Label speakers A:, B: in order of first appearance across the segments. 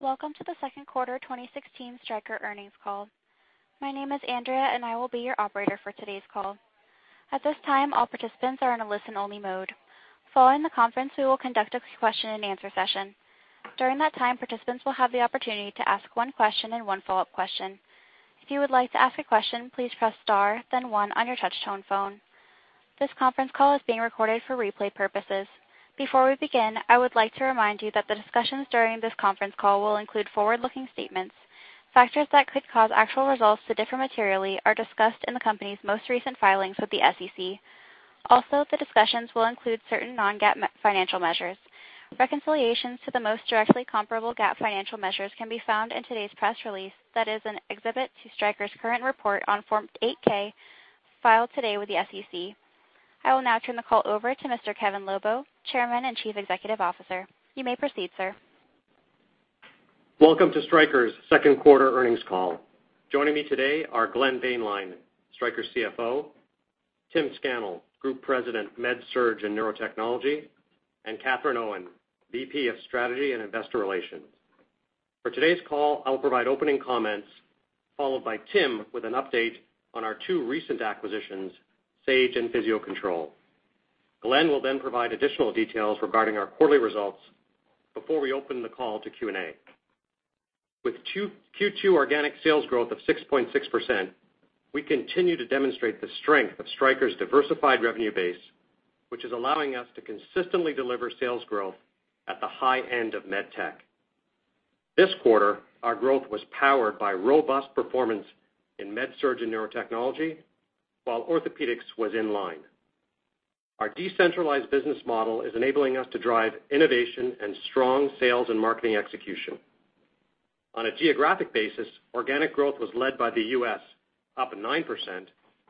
A: Welcome to the second quarter 2016 Stryker earnings call. My name is Andrea, I will be your operator for today's call. At this time, all participants are in a listen only mode. Following the conference, we will conduct a question and answer session. During that time, participants will have the opportunity to ask one question and one follow-up question. If you would like to ask a question, please press star, one on your touchtone phone. This conference call is being recorded for replay purposes. Before we begin, I would like to remind you that the discussions during this conference call will include forward-looking statements. Factors that could cause actual results to differ materially are discussed in the company's most recent filings with the SEC. The discussions will include certain non-GAAP financial measures. Reconciliations to the most directly comparable GAAP financial measures can be found in today's press release, that is in exhibit to Stryker's current report on Form 8-K filed today with the SEC. I will now turn the call over to Mr. Kevin Lobo, Chairman and Chief Executive Officer. You may proceed, sir.
B: Welcome to Stryker's second quarter earnings call. Joining me today are Glenn Boehnlein, Stryker CFO, Tim Scannell, Group President, MedSurg and Neurotechnology, Katherine Owen, VP of Strategy and Investor Relations. For today's call, I will provide opening comments, followed by Tim with an update on our two recent acquisitions, Sage and Physio-Control. Glenn will provide additional details regarding our quarterly results before we open the call to Q&A. With Q2 organic sales growth of 6.6%, we continue to demonstrate the strength of Stryker's diversified revenue base, which is allowing us to consistently deliver sales growth at the high end of med tech. This quarter, our growth was powered by robust performance in MedSurg and Neurotechnology, while Orthopedics was in line. Our decentralized business model is enabling us to drive innovation and strong sales and marketing execution. On a geographic basis, organic growth was led by the U.S., up 9%,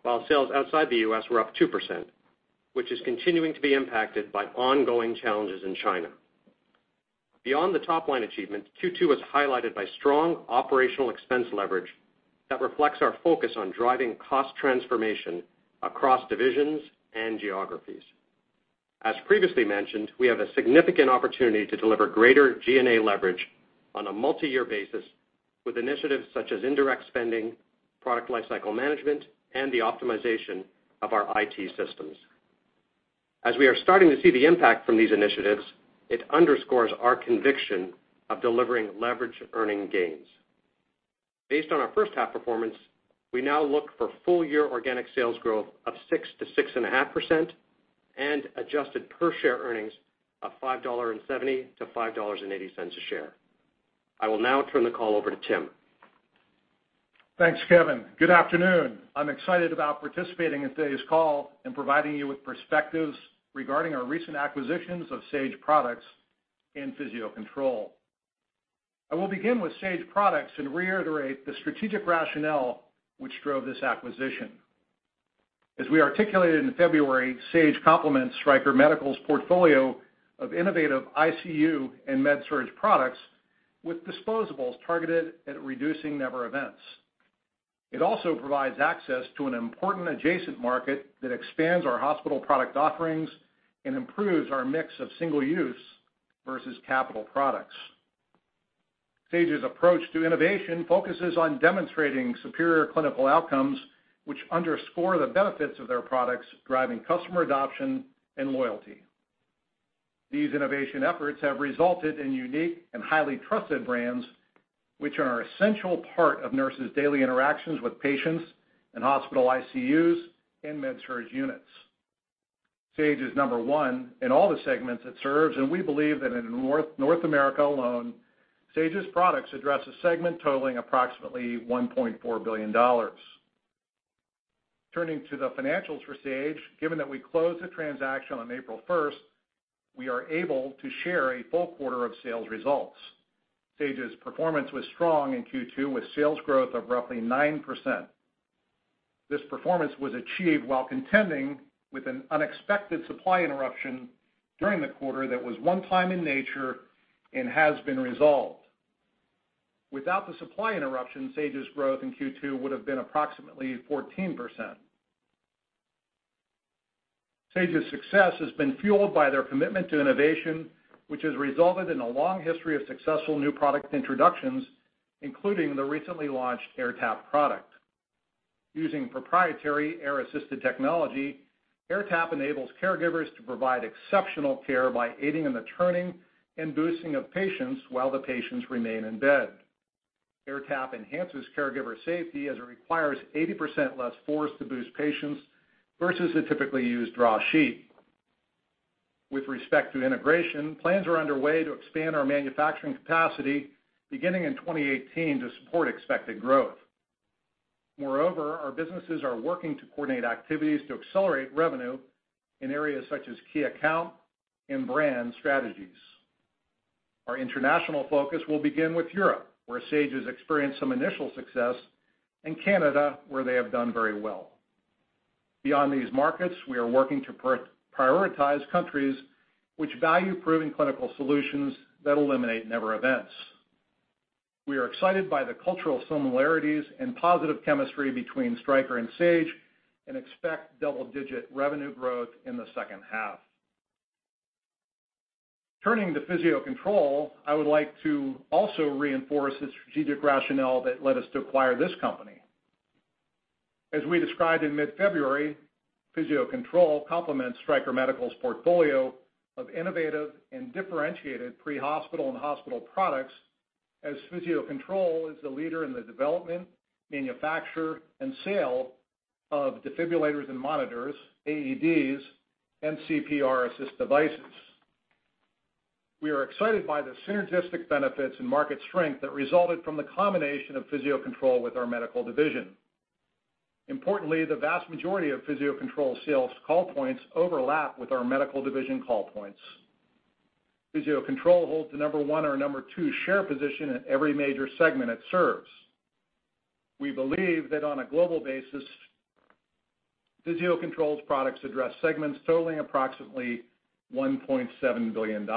B: while sales outside the U.S. were up 2%, which is continuing to be impacted by ongoing challenges in China. Beyond the top-line achievement, Q2 was highlighted by strong operational expense leverage that reflects our focus on driving cost transformation across divisions and geographies. As previously mentioned, we have a significant opportunity to deliver greater G&A leverage on a multi-year basis with initiatives such as indirect spending, product life cycle management, and the optimization of our IT systems. As we are starting to see the impact from these initiatives, it underscores our conviction of delivering leverage earning gains. Based on our first half performance, we now look for full-year organic sales growth of 6%-6.5% and adjusted per share earnings of $5.70-$5.80 a share. I will now turn the call over to Tim.
C: Thanks, Kevin. Good afternoon. I'm excited about participating in today's call and providing you with perspectives regarding our recent acquisitions of Sage Products and Physio-Control. I will begin with Sage Products and reiterate the strategic rationale which drove this acquisition. As we articulated in February, Sage complements Stryker Medical's portfolio of innovative ICU and MedSurg products with disposables targeted at reducing never events. It also provides access to an important adjacent market that expands our hospital product offerings and improves our mix of single use versus capital products. Sage's approach to innovation focuses on demonstrating superior clinical outcomes, which underscore the benefits of their products, driving customer adoption and loyalty. These innovation efforts have resulted in unique and highly trusted brands, which are an essential part of nurses' daily interactions with patients in hospital ICUs and MedSurg units. Sage is number one in all the segments it serves, and we believe that in North America alone, Sage's products address a segment totaling approximately $1.4 billion. Turning to the financials for Sage, given that we closed the transaction on April 1st, we are able to share a full quarter of sales results. Sage's performance was strong in Q2 with sales growth of roughly 9%. This performance was achieved while contending with an unexpected supply interruption during the quarter that was one time in nature and has been resolved. Without the supply interruption, Sage's growth in Q2 would have been approximately 14%. Sage's success has been fueled by their commitment to innovation, which has resulted in a long history of successful new product introductions, including the recently launched AirTAP product. Using proprietary air-assisted technology, AirTAP enables caregivers to provide exceptional care by aiding in the turning and boosting of patients while the patients remain in bed. AirTAP enhances caregiver safety as it requires 80% less force to boost patients versus the typically used draw sheet. With respect to integration, plans are underway to expand our manufacturing capacity beginning in 2018 to support expected growth. Moreover, our businesses are working to coordinate activities to accelerate revenue in areas such as key account and brand strategies. Our international focus will begin with Europe, where Sage has experienced some initial success, and Canada, where they have done very well. Beyond these markets, we are working to prioritize countries which value proven clinical solutions that eliminate never events. We are excited by the cultural similarities and positive chemistry between Stryker and Sage and expect double-digit revenue growth in the second half. Turning to Physio-Control, I would like to also reinforce the strategic rationale that led us to acquire this company. As we described in mid-February, Physio-Control complements Stryker Medical's portfolio of innovative and differentiated pre-hospital and hospital products, as Physio-Control is the leader in the development, manufacture, and sale of defibrillators and monitors, AEDs, and CPR assist devices. We are excited by the synergistic benefits and market strength that resulted from the combination of Physio-Control with our medical division. Importantly, the vast majority of Physio-Control sales call points overlap with our medical division call points. Physio-Control holds the number one or number two share position in every major segment it serves. We believe that on a global basis, Physio-Control's products address segments totaling approximately $1.7 billion.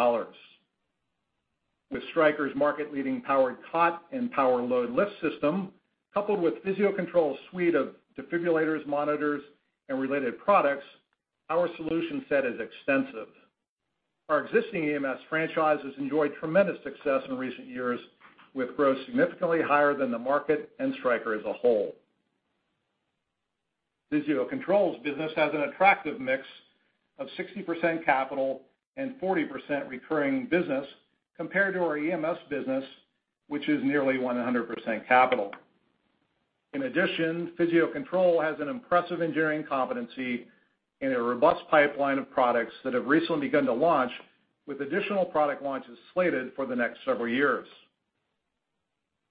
C: With Stryker's market-leading powered cot and Power-LOAD lift system, coupled with Physio-Control's suite of defibrillators, monitors, and related products, our solution set is extensive. Our existing EMS franchise has enjoyed tremendous success in recent years, with growth significantly higher than the market and Stryker as a whole. Physio-Control's business has an attractive mix of 60% capital and 40% recurring business compared to our EMS business, which is nearly 100% capital. In addition, Physio-Control has an impressive engineering competency and a robust pipeline of products that have recently begun to launch with additional product launches slated for the next several years.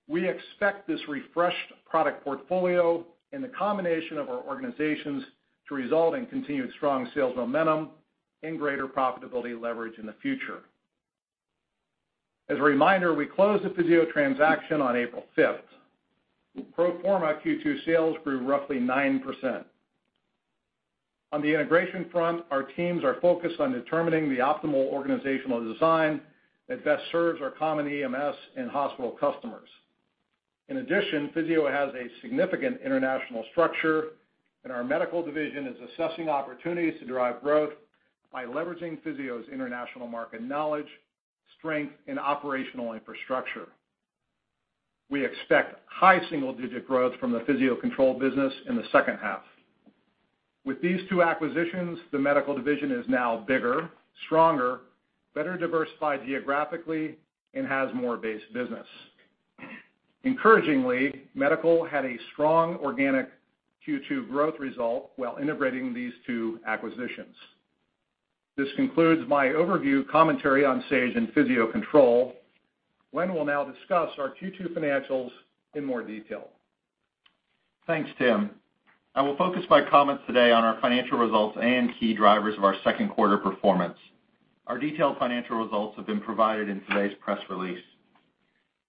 C: We expect this refreshed product portfolio and the combination of our organizations to result in continued strong sales momentum and greater profitability leverage in the future. As a reminder, we closed the Physio transaction on April 5th. Pro forma Q2 sales grew roughly 9%. On the integration front, our teams are focused on determining the optimal organizational design that best serves our common EMS and hospital customers. In addition, Physio has a significant international structure, and our medical division is assessing opportunities to derive growth by leveraging Physio's international market knowledge, strength, and operational infrastructure. We expect high single-digit growth from the Physio-Control business in the second half. With these two acquisitions, the medical division is now bigger, stronger, better diversified geographically, and has more base business. Encouragingly, Medical had a strong organic Q2 growth result while integrating these two acquisitions. This concludes my overview commentary on Sage and Physio-Control. Glenn will now discuss our Q2 financials in more detail.
D: Thanks, Tim. I will focus my comments today on our financial results and key drivers of our second quarter performance. Our detailed financial results have been provided in today's press release.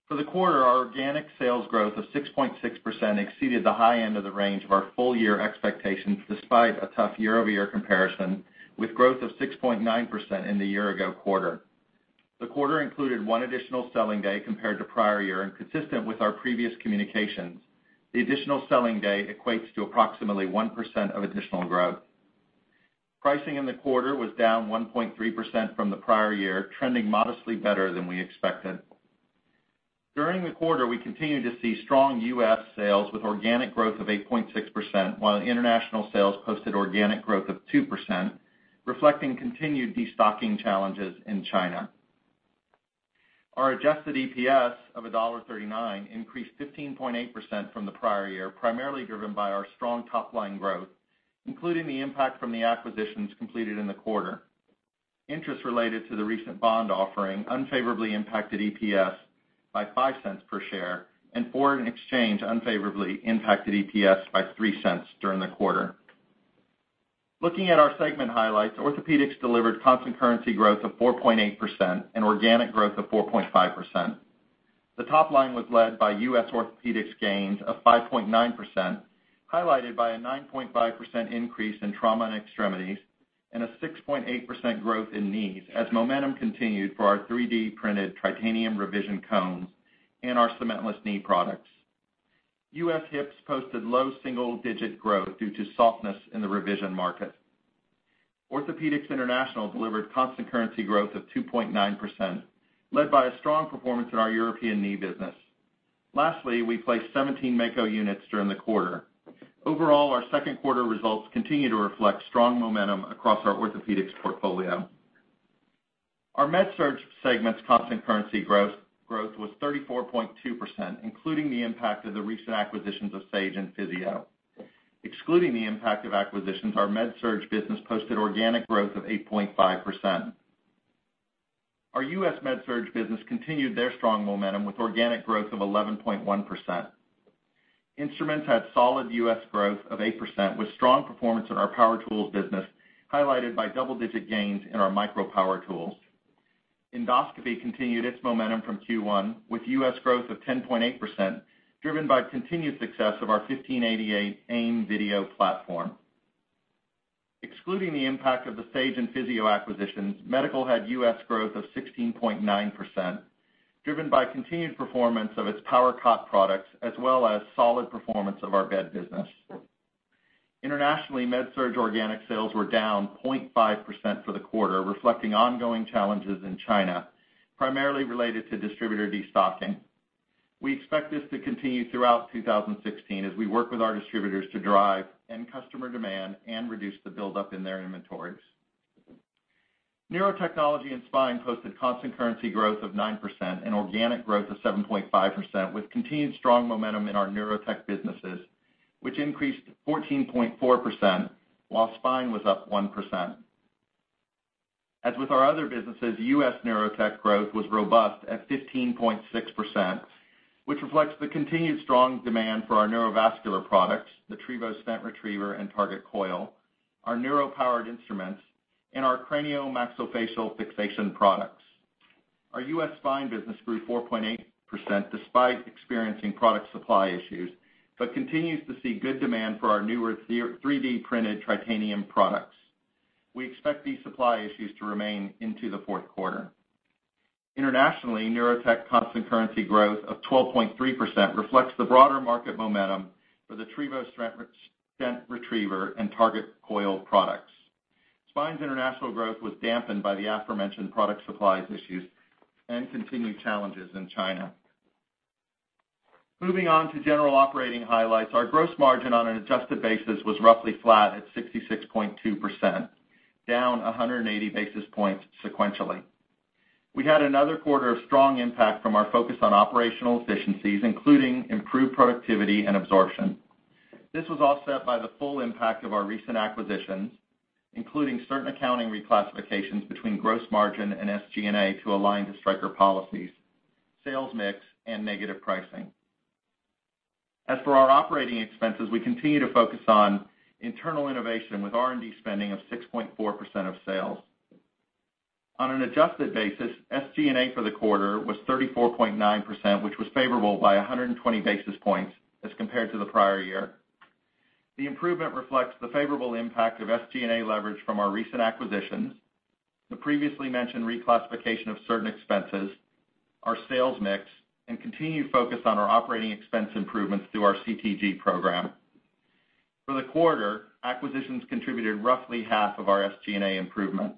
D: For the quarter, our organic sales growth of 6.6% exceeded the high end of the range of our full-year expectations, despite a tough year-over-year comparison with growth of 6.9% in the year ago quarter. The quarter included one additional selling day compared to prior year and consistent with our previous communications. The additional selling day equates to approximately 1% of additional growth. Pricing in the quarter was down 1.3% from the prior year, trending modestly better than we expected. During the quarter, we continued to see strong U.S. sales with organic growth of 8.6%, while international sales posted organic growth of 2%, reflecting continued destocking challenges in China. Our adjusted EPS of $1.39 increased 15.8% from the prior year, primarily driven by our strong top-line growth, including the impact from the acquisitions completed in the quarter. Interest related to the recent bond offering unfavorably impacted EPS by $0.05 per share and foreign exchange unfavorably impacted EPS by $0.03 during the quarter. Looking at our segment highlights, Orthopedics delivered constant currency growth of 4.8% and organic growth of 4.5%. The top line was led by U.S. Orthopedics gains of 5.9%, highlighted by a 9.5% increase in trauma and extremities and a 6.8% growth in knees as momentum continued for our 3D-printed titanium revision cones and our cementless knee products. U.S. hips posted low single-digit growth due to softness in the revision market. Orthopedics International delivered constant currency growth of 2.9%, led by a strong performance in our European knee business. Lastly, we placed 17 Mako units during the quarter. Overall, our second quarter results continue to reflect strong momentum across our Orthopedics portfolio. Our MedSurg segment's constant currency growth was 34.2%, including the impact of the recent acquisitions of Sage and Physio. Excluding the impact of acquisitions, our MedSurg business posted organic growth of 8.5%. Our U.S. MedSurg business continued their strong momentum with organic growth of 11.1%. Instruments had solid U.S. growth of 8% with strong performance in our power tools business, highlighted by double-digit gains in our micro power tools. Endoscopy continued its momentum from Q1 with U.S. growth of 10.8%, driven by continued success of our 1588 AIM video platform. Excluding the impact of the Sage and Physio acquisitions, Medical had U.S. growth of 16.9%, driven by continued performance of its power cot products as well as solid performance of our bed business. Internationally, MedSurg organic sales were down 0.5% for the quarter, reflecting ongoing challenges in China, primarily related to distributor destocking. We expect this to continue throughout 2016 as we work with our distributors to drive end customer demand and reduce the buildup in their inventories. Neurotechnology and Spine posted constant currency growth of 9% and organic growth of 7.5%, with continued strong momentum in our Neurotechnology businesses, which increased to 14.4%, while Spine was up 1%. As with our other businesses, U.S. Neurotechnology growth was robust at 15.6%, which reflects the continued strong demand for our neurovascular products, the Trevo stent retriever and Target Coil, our neuro-powered instruments, and our cranial maxillofacial fixation products. Our U.S. Spine business grew 4.8% despite experiencing product supply issues, but continues to see good demand for our newer 3D-printed Tritanium products. We expect these supply issues to remain into the fourth quarter. Internationally, Neurotechnology constant currency growth of 12.3% reflects the broader market momentum for the Trevo stent retriever and Target Coil products. Spine's international growth was dampened by the aforementioned product supplies issues and continued challenges in China. Moving on to general operating highlights. Our gross margin on an adjusted basis was roughly flat at 66.2%, down 180 basis points sequentially. We had another quarter of strong impact from our focus on operational efficiencies, including improved productivity and absorption. This was offset by the full impact of our recent acquisitions, including certain accounting reclassifications between gross margin and SG&A to align to Stryker policies, sales mix, and negative pricing. As for our operating expenses, we continue to focus on internal innovation with R&D spending of 6.4% of sales. On an adjusted basis, SG&A for the quarter was 34.9%, which was favorable by 120 basis points as compared to the prior year. The improvement reflects the favorable impact of SG&A leverage from our recent acquisitions, the previously mentioned reclassification of certain expenses, our sales mix, and continued focus on our operating expense improvements through our CTG program. For the quarter, acquisitions contributed roughly half of our SG&A improvement.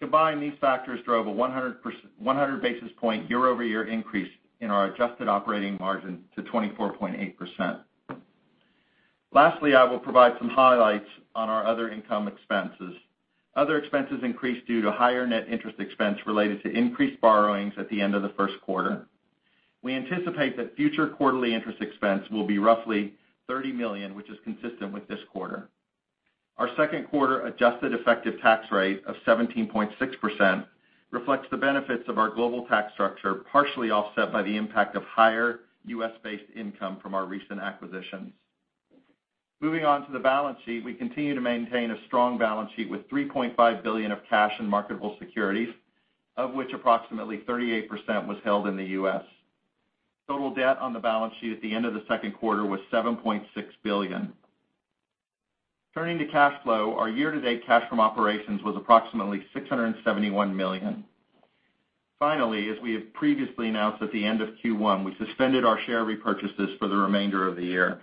D: Combining these factors drove a 100 basis point year-over-year increase in our adjusted operating margin to 24.8%. Lastly, I will provide some highlights on our other income expenses. Other expenses increased due to higher net interest expense related to increased borrowings at the end of the first quarter. We anticipate that future quarterly interest expense will be roughly $30 million, which is consistent with this quarter. Our second quarter adjusted effective tax rate of 17.6% reflects the benefits of our global tax structure, partially offset by the impact of higher U.S.-based income from our recent acquisitions. Moving on to the balance sheet. We continue to maintain a strong balance sheet with $3.5 billion of cash and marketable securities, of which approximately 38% was held in the U.S. Total debt on the balance sheet at the end of the second quarter was $7.6 billion. Turning to cash flow, our year-to-date cash from operations was approximately $671 million. Finally, as we have previously announced at the end of Q1, we suspended our share repurchases for the remainder of the year.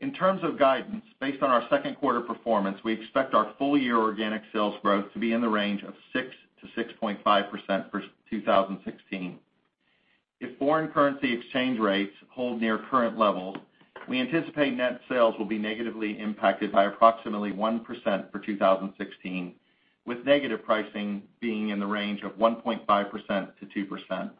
D: In terms of guidance, based on our second quarter performance, we expect our full-year organic sales growth to be in the range of 6%-6.5% for 2016. If foreign currency exchange rates hold near current levels, we anticipate net sales will be negatively impacted by approximately 1% for 2016, with negative pricing being in the range of 1.5%-2%.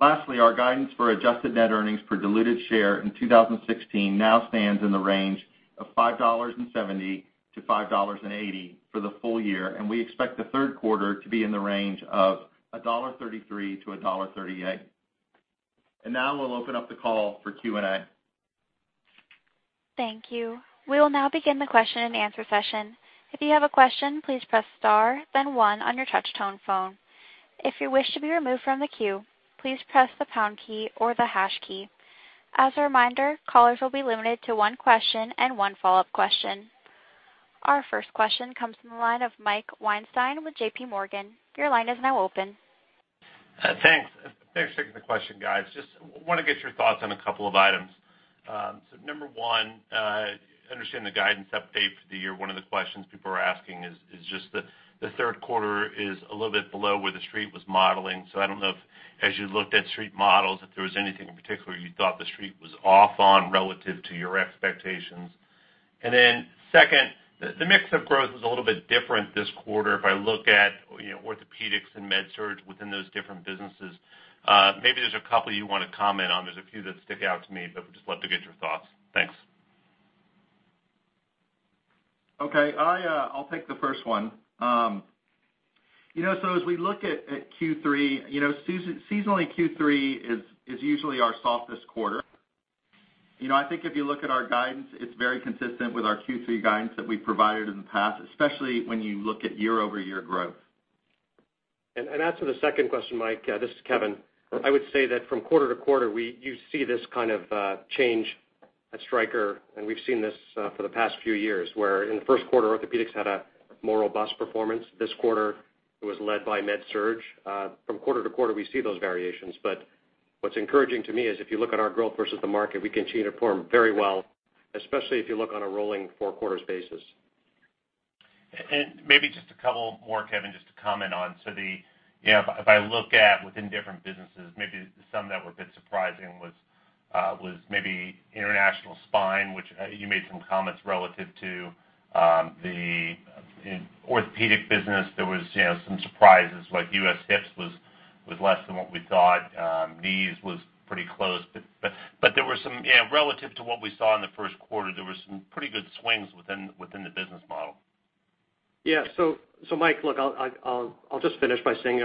D: Lastly, our guidance for adjusted net earnings per diluted share in 2016 now stands in the range of $5.70-$5.80 for the full year, and we expect the third quarter to be in the range of $1.33-$1.38. Now we'll open up the call for Q&A.
A: Thank you. We will now begin the question and answer session. If you have a question, please press star then one on your touch tone phone. If you wish to be removed from the queue, please press the pound key or the hash key. As a reminder, callers will be limited to one question and one follow-up question. Our first question comes from the line of Mike Weinstein with J.P. Morgan. Your line is now open.
E: Thanks. Thanks for taking the question, guys. Number one, I understand the guidance update for the year. One of the questions people are asking is just the third quarter is a little bit below where The Street was modeling. I don't know if, as you looked at Street models, if there was anything in particular you thought The Street was off on relative to your expectations. Then second, the mix of growth was a little bit different this quarter. If I look at orthopedics and MedSurg within those different businesses, maybe there's a couple you want to comment on. There's a few that stick out to me, but would just love to get your thoughts. Thanks.
D: Okay. I'll take the first one. As we look at Q3, seasonally Q3 is usually our softest quarter. I think if you look at our guidance, it's very consistent with our Q3 guidance that we've provided in the past, especially when you look at year-over-year growth.
B: As to the second question, Mike, this is Kevin. I would say that from quarter to quarter, you see this kind of change at Stryker, and we've seen this for the past few years, where in the first quarter, Orthopedics had a more robust performance. This quarter it was led by MedSurg. From quarter to quarter, we see those variations. What's encouraging to me is if you look at our growth versus the market, we continue to perform very well, especially if you look on a rolling four quarters basis.
D: Maybe just a couple more, Kevin, just to comment on. If I look at within different businesses, maybe some that were a bit surprising was maybe international spine, which you made some comments relative to. The orthopedic business, there was some surprises, like U.S. hips was less than what we thought. Knees was pretty close. Relative to what we saw in the first quarter, there were some pretty good swings within the business model.
B: Yeah. Mike, look, I'll just finish by saying,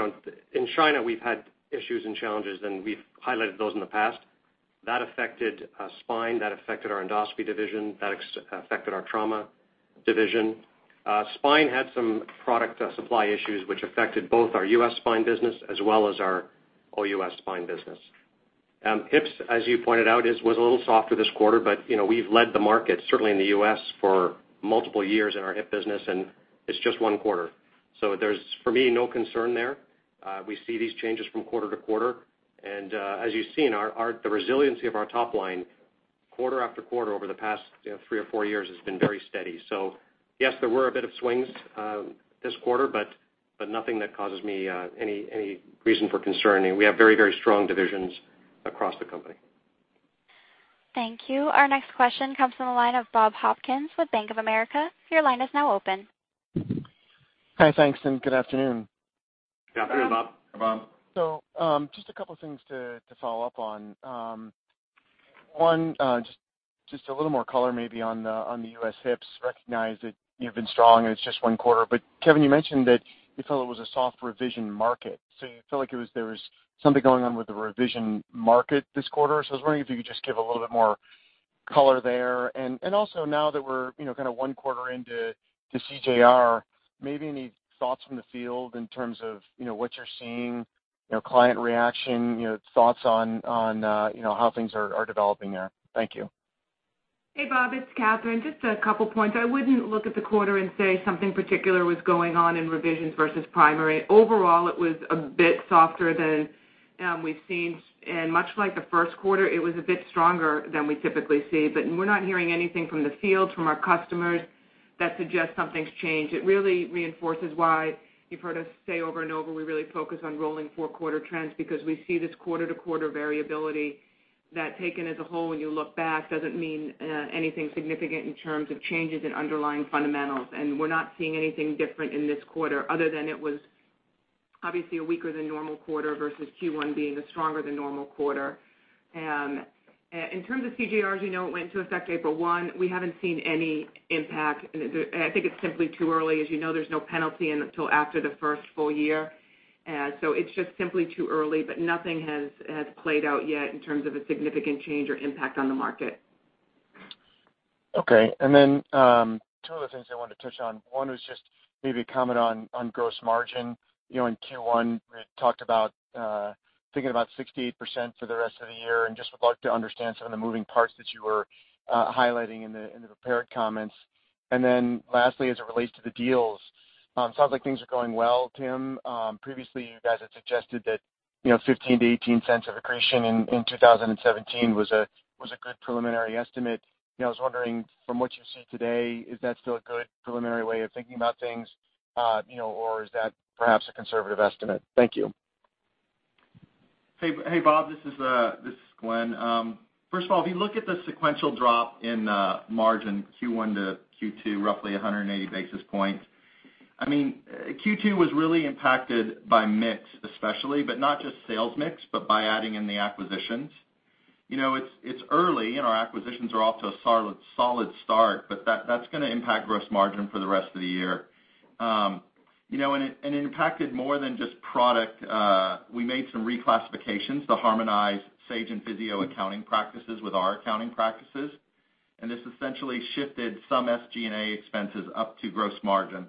B: in China, we've had issues and challenges, and we've highlighted those in the past. That affected spine, that affected our Endoscopy division, that affected our trauma division. Spine had some product supply issues, which affected both our U.S. spine business as well as our OUS spine business. Hips, as you pointed out, was a little softer this quarter, but we've led the market, certainly in the U.S., for multiple years in our hip business, and it's just one quarter. There's, for me, no concern there. We see these changes from quarter to quarter, and as you've seen, the resiliency of our top line, quarter after quarter over the past three or four years has been very steady. Yes, there were a bit of swings this quarter, but nothing that causes me any reason for concern. We have very strong divisions across the company.
A: Thank you. Our next question comes from the line of Bob Hopkins with Bank of America. Your line is now open.
F: Hi, thanks. Good afternoon.
B: Afternoon, Bob.
D: Hey, Bob.
F: Just a couple things to follow up on. One, just a little more color maybe on the U.S. hips. Recognize that you've been strong and it's just one quarter. Kevin, you mentioned that you felt it was a soft revision market. You felt like there was something going on with the revision market this quarter. I was wondering if you could just give a little bit more color there. Now that we're one quarter into CJR, maybe any thoughts from the field in terms of what you're seeing, client reaction, thoughts on how things are developing there. Thank you.
G: Hey, Bob, it's Katherine. Just two points. I wouldn't look at the quarter and say something particular was going on in revisions versus primary. Overall, it was a bit softer than we've seen. Much like the first quarter, it was a bit stronger than we typically see. We're not hearing anything from the field from our customers that suggests something's changed. It really reinforces why you've heard us say over and over, we really focus on rolling four-quarter trends because we see this quarter-to-quarter variability that, taken as a whole when you look back, doesn't mean anything significant in terms of changes in underlying fundamentals. We're not seeing anything different in this quarter other than it was obviously a weaker than normal quarter versus Q1 being a stronger than normal quarter. In terms of CJRs, you know it went into effect April 1. We haven't seen any impact. I think it's simply too early. As you know, there's no penalty until after the first full year. It's just simply too early. Nothing has played out yet in terms of a significant change or impact on the market.
F: Two other things I wanted to touch on. One was just maybe comment on gross margin. In Q1, we had talked about thinking about 68% for the rest of the year and just would like to understand some of the moving parts that you were highlighting in the prepared comments. Lastly, as it relates to the deals, sounds like things are going well, Tim. Previously, you guys had suggested that $0.15-$0.18 of accretion in 2017 was a good preliminary estimate. I was wondering, from what you see today, is that still a good preliminary way of thinking about things, or is that perhaps a conservative estimate? Thank you.
D: Hey, Bob, this is Glenn. First of all, if you look at the sequential drop in margin Q1 to Q2, roughly 180 basis points, Q2 was really impacted by mix especially, but not just sales mix, but by adding in the acquisitions. It's early and our acquisitions are off to a solid start, but that's going to impact gross margin for the rest of the year. It impacted more than just product. We made some reclassifications to harmonize Sage and Physio accounting practices with our accounting practices, this essentially shifted some SG&A expenses up to gross margin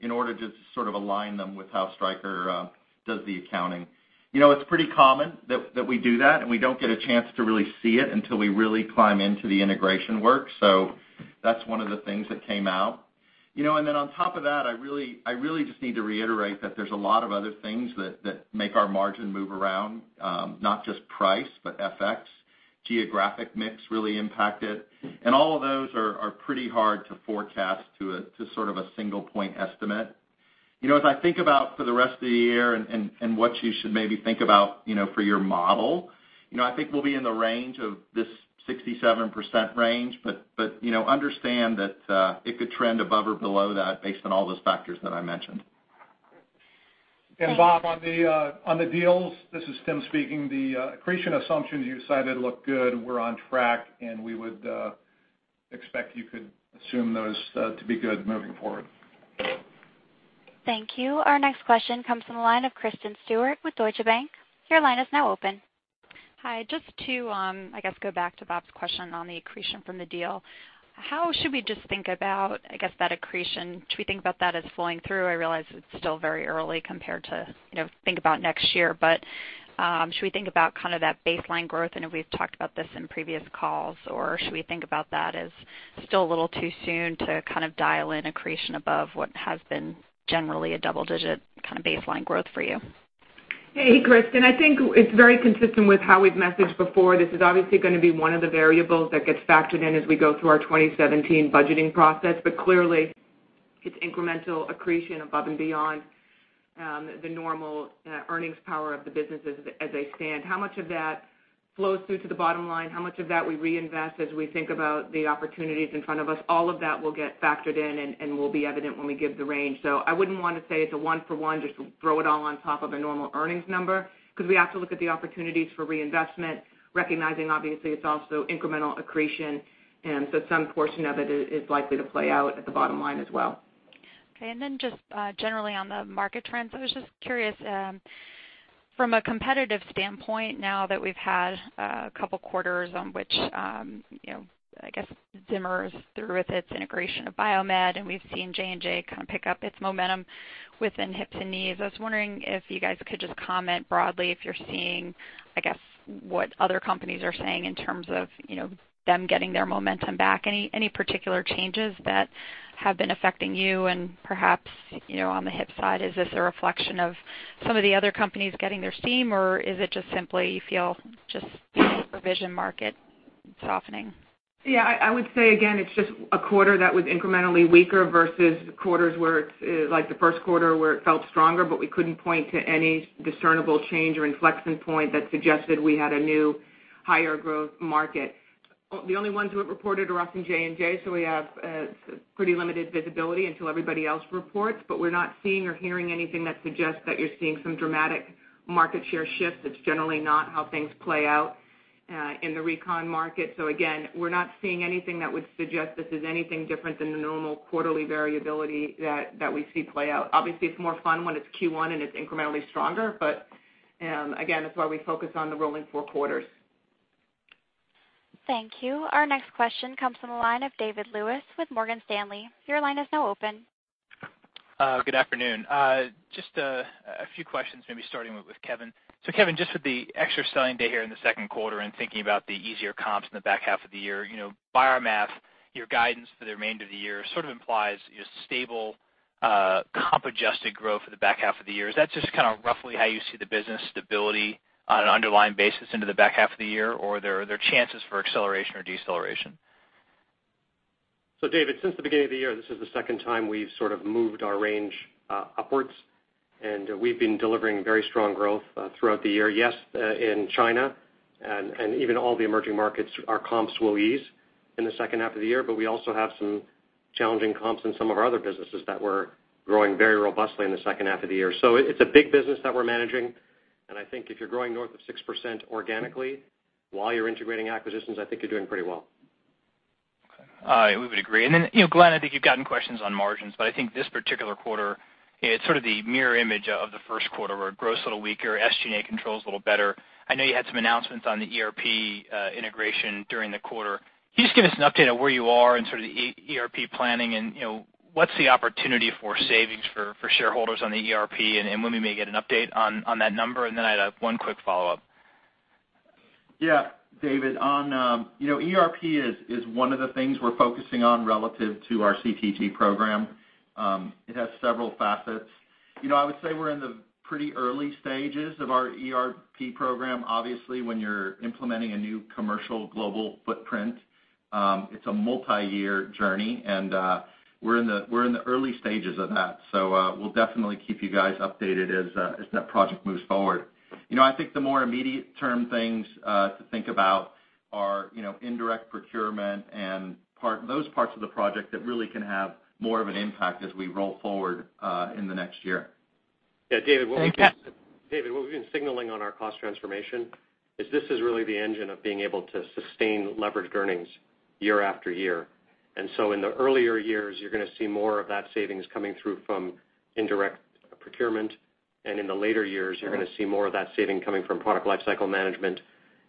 D: in order to sort of align them with how Stryker does the accounting. It's pretty common that we do that, we don't get a chance to really see it until we really climb into the integration work. That's one of the things that came out. On top of that, I really just need to reiterate that there's a lot of other things that make our margin move around. Not just price, but FX, geographic mix really impact it. All of those are pretty hard to forecast to sort of a single point estimate. As I think about for the rest of the year and what you should maybe think about for your model, I think we'll be in the range of this 67% range, but understand that it could trend above or below that based on all those factors that I mentioned.
A: Thank you.
B: Bob, on the deals, this is Tim speaking. The accretion assumptions you cited look good. We're on track, and we would expect you could assume those to be good moving forward.
A: Thank you. Our next question comes from the line of Kristen Stewart with Deutsche Bank. Your line is now open.
H: Hi. Just to go back to Bob's question on the accretion from the deal. How should we just think about that accretion? Should we think about that as flowing through? I realize it's still very early compared to think about next year. Should we think about that baseline growth? I know we've talked about this in previous calls, or should we think about that as still a little too soon to dial in accretion above what has been generally a double-digit kind of baseline growth for you?
G: Hey, Kristen. I think it's very consistent with how we've messaged before. This is obviously going to be one of the variables that gets factored in as we go through our 2017 budgeting process. Clearly it's incremental accretion above and beyond the normal earnings power of the businesses as they stand. How much of that flows through to the bottom line, how much of that we reinvest as we think about the opportunities in front of us, all of that will get factored in and will be evident when we give the range. I wouldn't want to say it's a one for one, just throw it all on top of a normal earnings number, because we have to look at the opportunities for reinvestment, recognizing obviously it's also incremental accretion. Some portion of it is likely to play out at the bottom line as well.
H: Okay. Just generally on the market trends, I was just curious, from a competitive standpoint now that we've had a couple quarters on which, I guess DePuy Synthes is through with its integration of Biomet and we've seen J&J kind of pick up its momentum within hips and knees. I was wondering if you guys could just comment broadly if you're seeing, I guess, what other companies are saying in terms of them getting their momentum back. Any particular changes that have been affecting you and perhaps, on the hip side, is this a reflection of some of the other companies getting their steam, or is it just simply you feel just the revision market softening?
G: I would say again, it's just a quarter that was incrementally weaker versus quarters like the first quarter, where it felt stronger, but we couldn't point to any discernible change or inflection point that suggested we had a new higher growth market. The only ones who have reported are us and J&J, so we have pretty limited visibility until everybody else reports, but we're not seeing or hearing anything that suggests that you're seeing some dramatic market share shifts. That's generally not how things play out in the recon market. Again, we're not seeing anything that would suggest this is anything different than the normal quarterly variability that we see play out. Obviously, it's more fun when it's Q1 and it's incrementally stronger, but again, that's why we focus on the rolling four quarters.
A: Thank you. Our next question comes from the line of David Lewis with Morgan Stanley. Your line is now open.
I: Good afternoon. Just a few questions, maybe starting with Kevin. Kevin, just with the extra selling day here in the second quarter and thinking about the easier comps in the back half of the year, by our math, your guidance for the remainder of the year sort of implies stable comp-adjusted growth for the back half of the year. Is that just kind of roughly how you see the business stability on an underlying basis into the back half of the year, or are there chances for acceleration or deceleration?
B: David, since the beginning of the year, this is the second time we've sort of moved our range upwards, and we've been delivering very strong growth throughout the year. Yes, in China and even all the emerging markets, our comps will ease in the second half of the year, but we also have some challenging comps in some of our other businesses that we're growing very robustly in the second half of the year. It's a big business that we're managing, and I think if you're growing north of 6% organically while you're integrating acquisitions, I think you're doing pretty well.
I: Okay. We would agree. Glenn, I think you've gotten questions on margins, but I think this particular quarter, it's sort of the mirror image of the first quarter where Gross a little weaker, SG&A controls a little better. I know you had some announcements on the ERP integration during the quarter. Can you just give us an update on where you are in sort of the ERP planning, and what's the opportunity for savings for shareholders on the ERP and when we may get an update on that number? Then I'd have one quick follow-up.
D: David. ERP is one of the things we're focusing on relative to our CTG program. It has several facets. I would say we're in the pretty early stages of our ERP program. Obviously, when you're implementing a new commercial global footprint, it's a multi-year journey, and we're in the early stages of that, so we'll definitely keep you guys updated as that project moves forward. I think the more immediate term things to think about are indirect procurement and those parts of the project that really can have more of an impact as we roll forward in the next year.
B: David, what we've been signaling on our cost transformation is this is really the engine of being able to sustain leveraged earnings year after year. In the earlier years, you're going to see more of that savings coming through from indirect procurement, and in the later years, you're going to see more of that saving coming from product life cycle management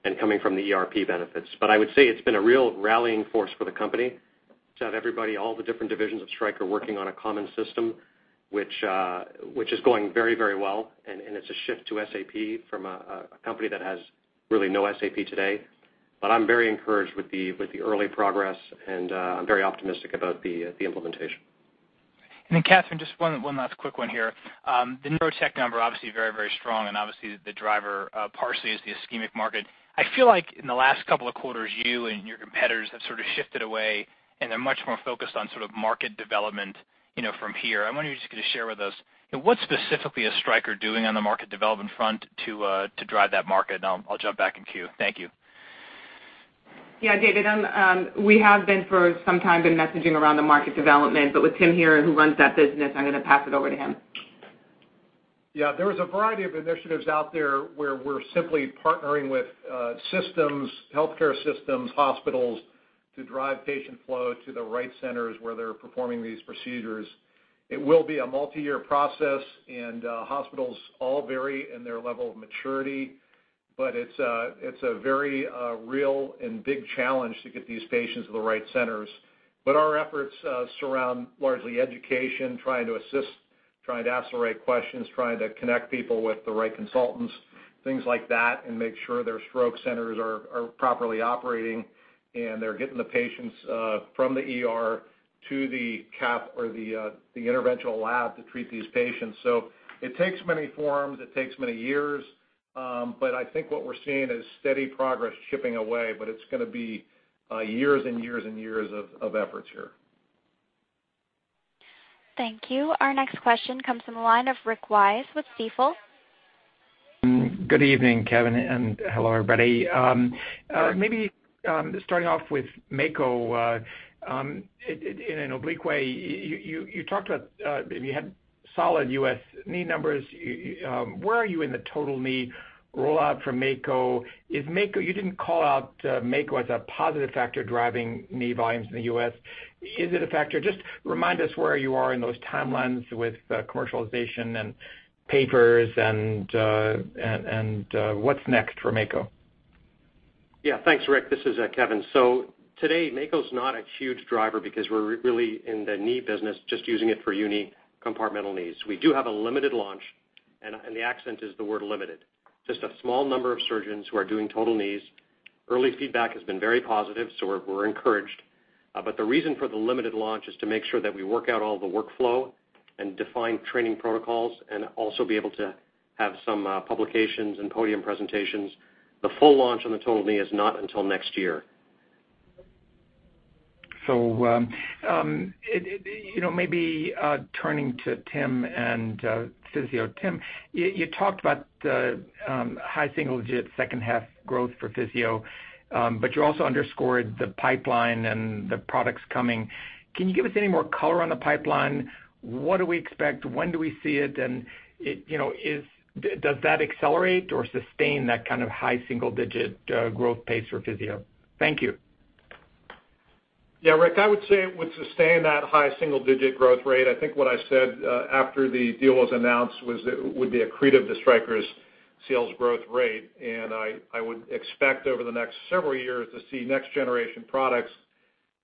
B: and coming from the ERP benefits. I would say it's been a real rallying force for the company to have everybody, all the different divisions of Stryker working on a common system, which is going very well, and it's a shift to SAP from a company that has really no SAP today. I'm very encouraged with the early progress, and I'm very optimistic about the implementation.
I: Katherine, just one last quick one here. The Neurotech number obviously very strong, and obviously the driver partially is the ischemic market. I feel like in the last couple of quarters, you and your competitors have sort of shifted away and are much more focused on sort of market development from here. I wonder if you could just share with us, what specifically is Stryker doing on the market development front to drive that market? I'll jump back in queue. Thank you.
G: David, we have been for some time been messaging around the market development, with Tim here who runs that business, I'm going to pass it over to him.
C: There was a variety of initiatives out there where we're simply partnering with systems, healthcare systems, hospitals to drive patient flow to the right centers where they're performing these procedures. It will be a multi-year process, hospitals all vary in their level of maturity. It's a very real and big challenge to get these patients to the right centers. Our efforts surround largely education, trying to assist, trying to ask the right questions, trying to connect people with the right consultants, things like that, and make sure their stroke centers are properly operating and they're getting the patients from the ER to the cath or the interventional lab to treat these patients. It takes many forms. It takes many years. I think what we're seeing is steady progress chipping away, it's going to be years and years and years of efforts here.
A: Thank you. Our next question comes from the line of Rick Wise with Stifel.
J: Good evening, Kevin, and hello everybody. Maybe starting off with Mako in an oblique way. You talked about you had solid U.S. knee numbers. Where are you in the total knee rollout from Mako? You didn't call out Mako as a positive factor driving knee volumes in the U.S. Is it a factor? Remind us where you are in those timelines with commercialization and papers and what's next for Mako.
C: Thanks, Rick. This is Kevin. Today, Mako's not a huge driver because we're really in the knee business, just using it for uni-compartmental knees. We do have a limited launch, and the accent is the word limited. A small number of surgeons who are doing total knees. Early feedback has been very positive, so we're encouraged. The reason for the limited launch is to make sure that we work out all the workflow and define training protocols and also be able to have some publications and podium presentations. The full launch on the total knee is not until next year.
J: Maybe turning to Tim and Physio. Tim, you talked about high single digit second half growth for Physio, you also underscored the pipeline and the products coming. Can you give us any more color on the pipeline? What do we expect? When do we see it? Does that accelerate or sustain that kind of high single digit growth pace for Physio? Thank you.
C: Rick, I would say it would sustain that high single digit growth rate. I think what I said after the deal was announced was that it would be accretive to Stryker's sales growth rate. I would expect over the next several years to see next generation products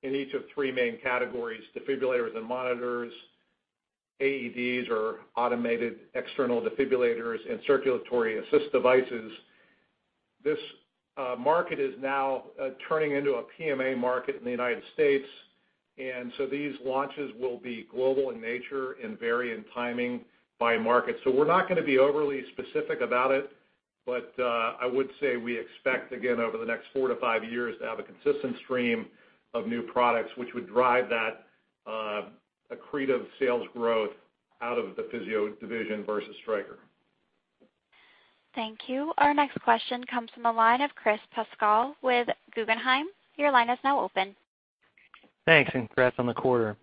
C: in each of three main categories, defibrillators and monitors, AEDs or automated external defibrillators, and circulatory assist devices. This market is now turning into a PMA market in the United States. These launches will be global in nature and vary in timing by market. We're not going to be overly specific about it, but I would say we expect, again, over the next four to five years, to have a consistent stream of new products which would drive that accretive sales growth out of the Physio division versus Stryker.
A: Thank you. Our next question comes from the line of Chris Pasquale with Guggenheim. Your line is now open.
K: Thanks, congrats on the quarter.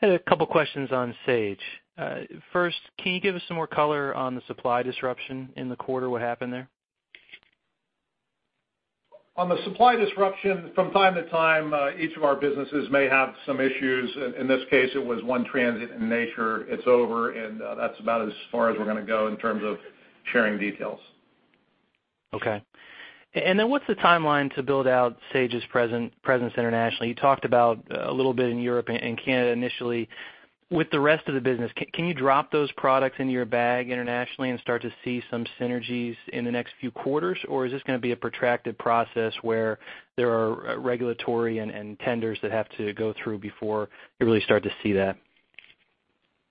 K: Had a couple questions on Sage. First, can you give us some more color on the supply disruption in the quarter? What happened there?
C: On the supply disruption, from time to time, each of our businesses may have some issues. In this case, it was one transient in nature. It's over. That's about as far as we're going to go in terms of sharing details.
K: Okay. What's the timeline to build out Sage's presence internationally? You talked about a little bit in Europe and Canada initially. With the rest of the business, can you drop those products into your bag internationally and start to see some synergies in the next few quarters? Or is this going to be a protracted process where there are regulatory and tenders that have to go through before you really start to see that?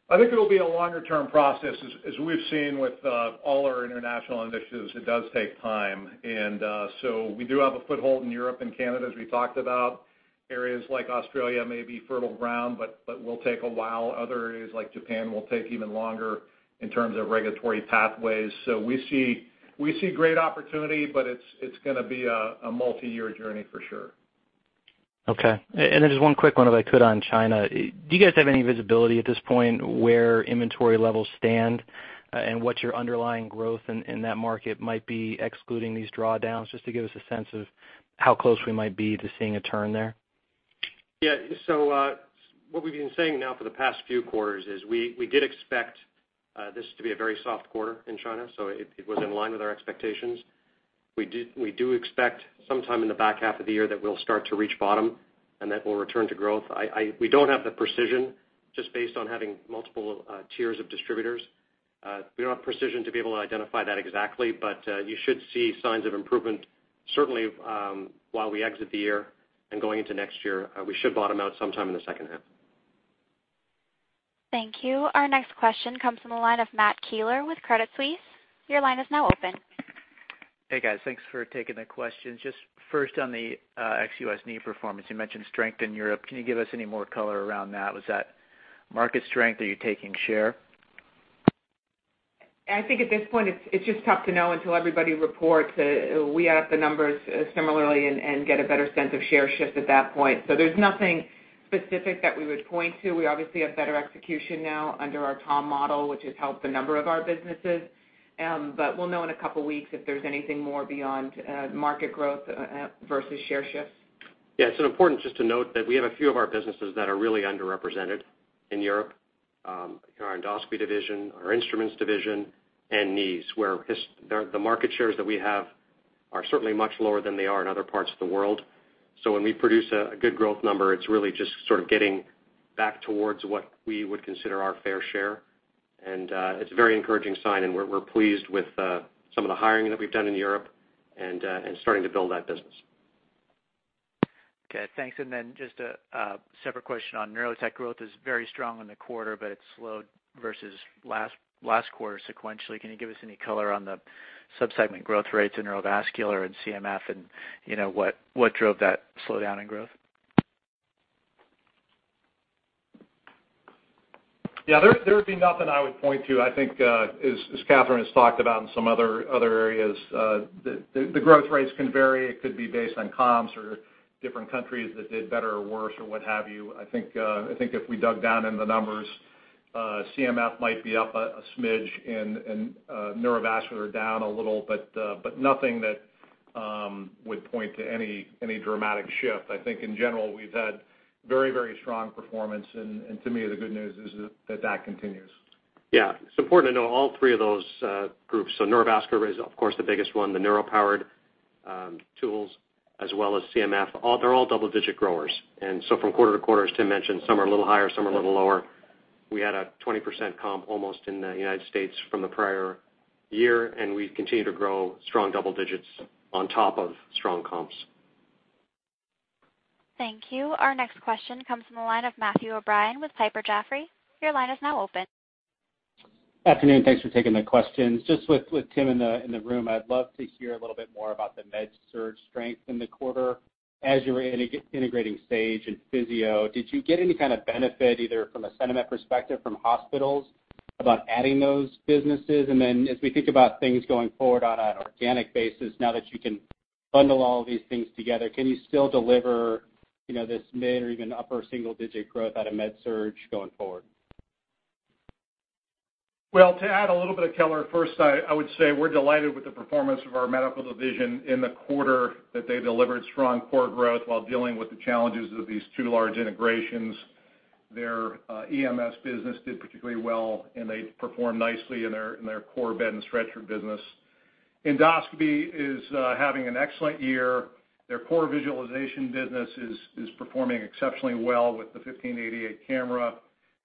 C: I think it'll be a longer-term process, as we've seen with all our international initiatives, it does take time. We do have a foothold in Europe and Canada, as we talked about. Areas like Australia may be fertile ground, but will take a while. Other areas like Japan will take even longer in terms of regulatory pathways. We see great opportunity, but it's going to be a multi-year journey for sure.
K: Okay. Just one quick one, if I could, on China. Do you guys have any visibility at this point where inventory levels stand and what your underlying growth in that market might be, excluding these drawdowns, just to give us a sense of how close we might be to seeing a turn there?
C: Yeah. What we've been saying now for the past few quarters is we did expect this to be a very soft quarter in China, so it was in line with our expectations. We do expect sometime in the back half of the year that we'll start to reach bottom and that we'll return to growth. We don't have the precision just based on having multiple tiers of distributors. We don't have precision to be able to identify that exactly, but you should see signs of improvement certainly while we exit the year and going into next year. We should bottom out sometime in the second half.
A: Thank you. Our next question comes from the line of Matt Keeler with Credit Suisse. Your line is now open.
L: Hey, guys. Thanks for taking the questions. Just first on the ex-U.S. knee performance, you mentioned strength in Europe. Can you give us any more color around that? Was that market strength? Are you taking share?
G: I think at this point, it's just tough to know until everybody reports. We add up the numbers similarly and get a better sense of share shift at that point. There's nothing specific that we would point to. We obviously have better execution now under our TAM model, which has helped a number of our businesses. We'll know in a couple of weeks if there's anything more beyond market growth versus share shifts.
B: Yeah, it's important just to note that we have a few of our businesses that are really underrepresented in Europe. Our Endoscopy division, our Instruments division, and knees, where the market shares that we have are certainly much lower than they are in other parts of the world. When we produce a good growth number, it's really just sort of getting back towards what we would consider our fair share. It's a very encouraging sign, and we're pleased with some of the hiring that we've done in Europe and starting to build that business.
L: Okay, thanks. Just a separate question on neurotech growth is very strong in the quarter, but it slowed versus last quarter sequentially. Can you give us any color on the sub-segment growth rates in neurovascular and CMF and what drove that slowdown in growth?
C: There would be nothing I would point to. I think, as Katherine has talked about in some other areas, the growth rates can vary. It could be based on comps or different countries that did better or worse or what have you. I think if we dug down in the numbers, CMF might be up a smidge and neurovascular down a little, but nothing that would point to any dramatic shift. I think in general, we've had very strong performance, and to me, the good news is that that continues.
B: It's important to know all three of those groups. Neurovascular is, of course, the biggest one, the neuro-powered tools, as well as CMF. They're all double-digit growers. From quarter to quarter, as Tim mentioned, some are a little higher, some are a little lower. We had a 20% comp almost in the United States from the prior year, and we continue to grow strong double digits on top of strong comps.
A: Thank you. Our next question comes from the line of Matthew O'Brien with Piper Jaffray. Your line is now open.
M: Afternoon, thanks for taking the questions. Just with Tim in the room, I'd love to hear a little bit more about the MedSurg strength in the quarter as you were integrating Sage and Physio-Control. Did you get any kind of benefit, either from a sentiment perspective from hospitals about adding those businesses? As we think about things going forward on an organic basis, now that you can bundle all of these things together, can you still deliver this mid or even upper single-digit growth out of MedSurg going forward?
C: Well, to add a little bit of color, first, I would say we're delighted with the performance of our medical division in the quarter, that they delivered strong core growth while dealing with the challenges of these two large integrations. Their EMS business did particularly well, and they performed nicely in their core bed and stretcher business. Endoscopy is having an excellent year. Their core visualization business is performing exceptionally well with the 1588 camera.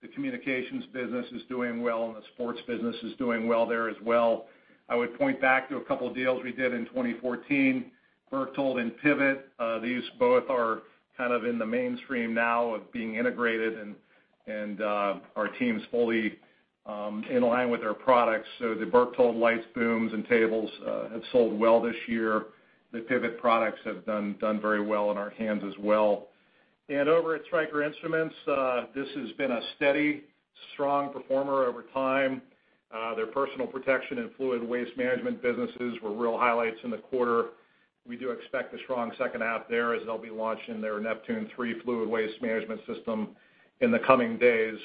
C: The communications business is doing well, and the sports business is doing well there as well. I would point back to a couple deals we did in 2014, Berchtold and Pivot. These both are kind of in the mainstream now of being integrated, and our team's fully in line with their products. The Berchtold lights, booms, and tables have sold well this year. The Pivot products have done very well in our hands as well. Over at Stryker Instruments, this has been a steady, strong performer over time. Their personal protection and fluid waste management businesses were real highlights in the quarter. We do expect a strong second half there as they'll be launching their Neptune 3 fluid waste management system in the coming days.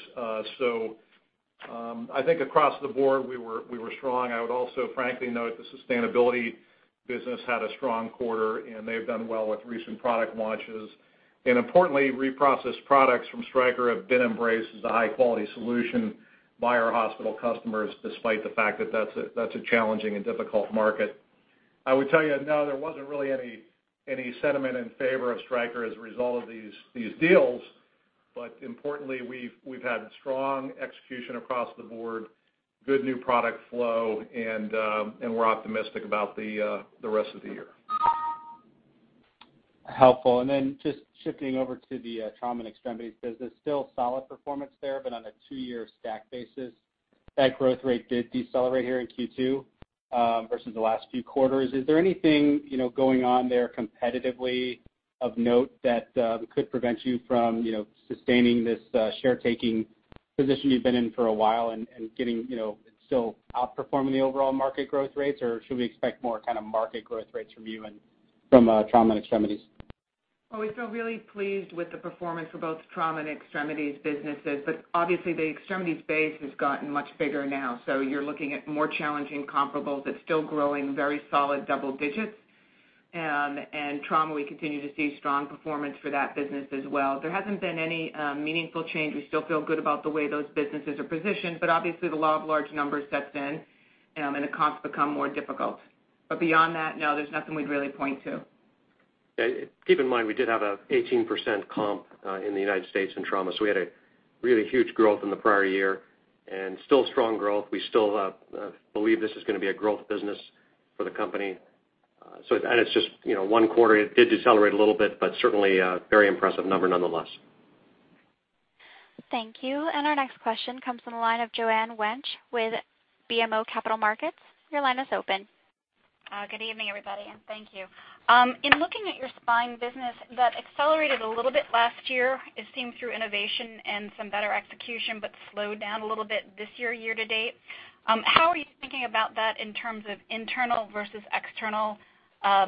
C: I think across the board, we were strong. I would also frankly note the sustainability business had a strong quarter, and they've done well with recent product launches. Importantly, reprocessed products from Stryker have been embraced as a high-quality solution by our hospital customers, despite the fact that that's a challenging and difficult market. I would tell you, no, there wasn't really any sentiment in favor of Stryker as a result of these deals. Importantly, we've had strong execution across the board, good new product flow, and we're optimistic about the rest of the year.
M: Helpful. Just shifting over to the trauma and extremities business. Still solid performance there, but on a two-year stack basis, that growth rate did decelerate here in Q2 versus the last few quarters. Is there anything going on there competitively of note that could prevent you from sustaining this share-taking position you've been in for a while and getting still outperforming the overall market growth rates? Or should we expect more kind of market growth rates from you and from trauma and extremities?
G: Well, we feel really pleased with the performance of both trauma and extremities businesses, but obviously the extremities base has gotten much bigger now. You're looking at more challenging comparables, but still growing very solid double digits. Trauma, we continue to see strong performance for that business as well. There hasn't been any meaningful change. We still feel good about the way those businesses are positioned, but obviously the law of large numbers sets in, and the comps become more difficult. Beyond that, no, there's nothing we'd really point to.
B: Keep in mind, we did have a 18% comp in the U.S. in trauma, we had a really huge growth in the prior year, and still strong growth. We still believe this is going to be a growth business for the company. It's just one quarter. It did decelerate a little bit, but certainly a very impressive number nonetheless.
A: Thank you. Our next question comes from the line of Joanne Wuensch with BMO Capital Markets. Your line is open.
N: Good evening, everybody, and thank you. In looking at your spine business, that accelerated a little bit last year, it seemed through innovation and some better execution, but slowed down a little bit this year to date. How are you thinking about that in terms of internal versus external development?
G: Yeah,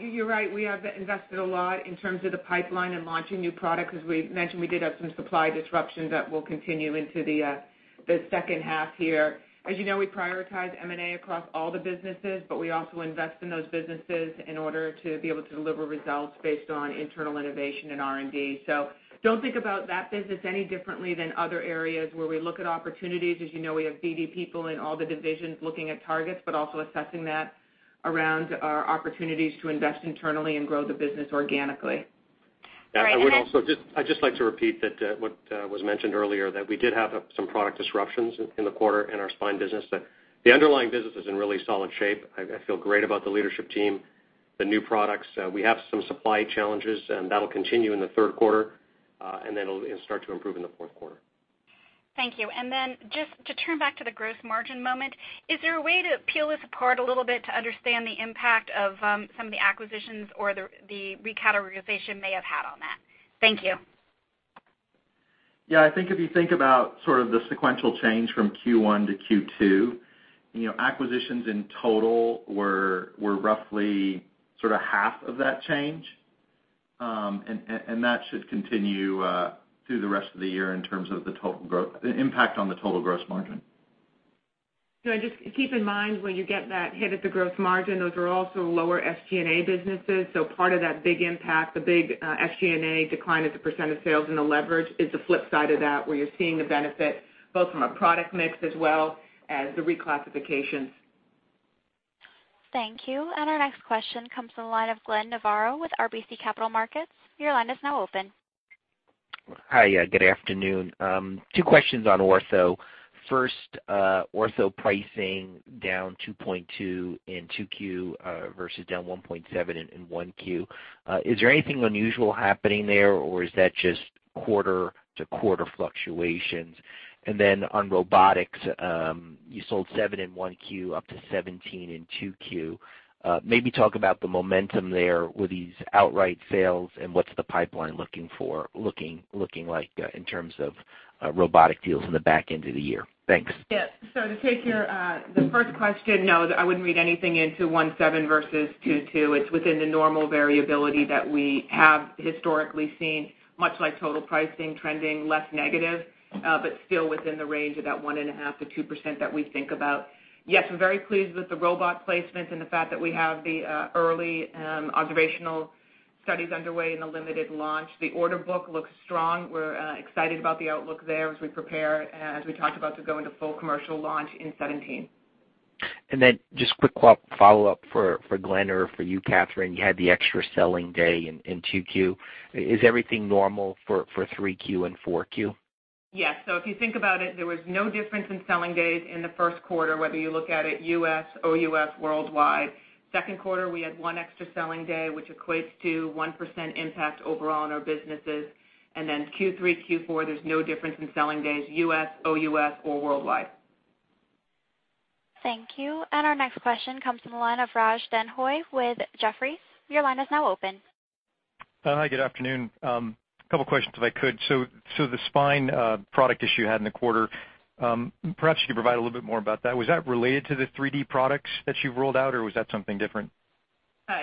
G: you're right. We have invested a lot in terms of the pipeline and launching new products. As we mentioned, we did have some supply disruptions that will continue into the second half here. As you know, we prioritize M&A across all the businesses, but we also invest in those businesses in order to be able to deliver results based on internal innovation and R&D. Don't think about that business any differently than other areas where we look at opportunities. As you know, we have BD people in all the divisions looking at targets, but also assessing that around our opportunities to invest internally and grow the business organically.
B: Great. And then. Yeah, I'd just like to repeat that what was mentioned earlier, that we did have some product disruptions in the quarter in our spine business. The underlying business is in really solid shape. I feel great about the leadership team, the new products. We have some supply challenges, and that'll continue in the third quarter, and then it'll start to improve in the fourth quarter.
N: Thank you. Then just to turn back to the gross margin moment, is there a way to peel this apart a little bit to understand the impact of some of the acquisitions or the recategorization may have had on that? Thank you.
D: Yeah, I think if you think about sort of the sequential change from Q1 to Q2, acquisitions in total were roughly sort of half of that change. That should continue through the rest of the year in terms of the impact on the total gross margin.
G: Just keep in mind when you get that hit at the gross margin, those are also lower SG&A businesses. Part of that big impact, the big SG&A decline as a % of sales and the leverage is the flip side of that, where you're seeing the benefit both from a product mix as well as the reclassifications.
A: Thank you. Our next question comes from the line of Glenn Novarro with RBC Capital Markets. Your line is now open.
O: Hi. Good afternoon. Two questions on ortho. First, ortho pricing down 2.2 in 2Q versus down 1.7 in 1Q. Is there anything unusual happening there, or is that just quarter-to-quarter fluctuations? Then on robotics, you sold 7 in 1Q up to 17 in 2Q. Maybe talk about the momentum there with these outright sales and what's the pipeline looking like in terms of robotic deals in the back end of the year. Thanks.
G: Yeah. To take the first question, no, I wouldn't read anything into 1.7 versus 2.2. It's within the normal variability that we have historically seen, much like total pricing trending less negative, still within the range of that 1.5% to 2% that we think about. Yes, we're very pleased with the robot placements and the fact that we have the early observational studies underway in the limited launch. The order book looks strong. We're excited about the outlook there as we prepare, as we talked about, to go into full commercial launch in 2017.
O: Then just quick follow-up for Glenn or for you, Katherine, you had the extra selling day in 2Q. Is everything normal for 3Q and 4Q?
G: Yes. If you think about it, there was no difference in selling days in the first quarter, whether you look at it U.S., OUS, worldwide. Second quarter, we had 1 extra selling day, which equates to 1% impact overall on our businesses. Then Q3, Q4, there's no difference in selling days, U.S., OUS or worldwide.
A: Thank you. Our next question comes from the line of Raj Denhoy with Jefferies. Your line is now open.
P: Hi, good afternoon. A couple questions, if I could. The spine product issue you had in the quarter, perhaps you could provide a little bit more about that. Was that related to the 3D products that you've rolled out, or was that something different?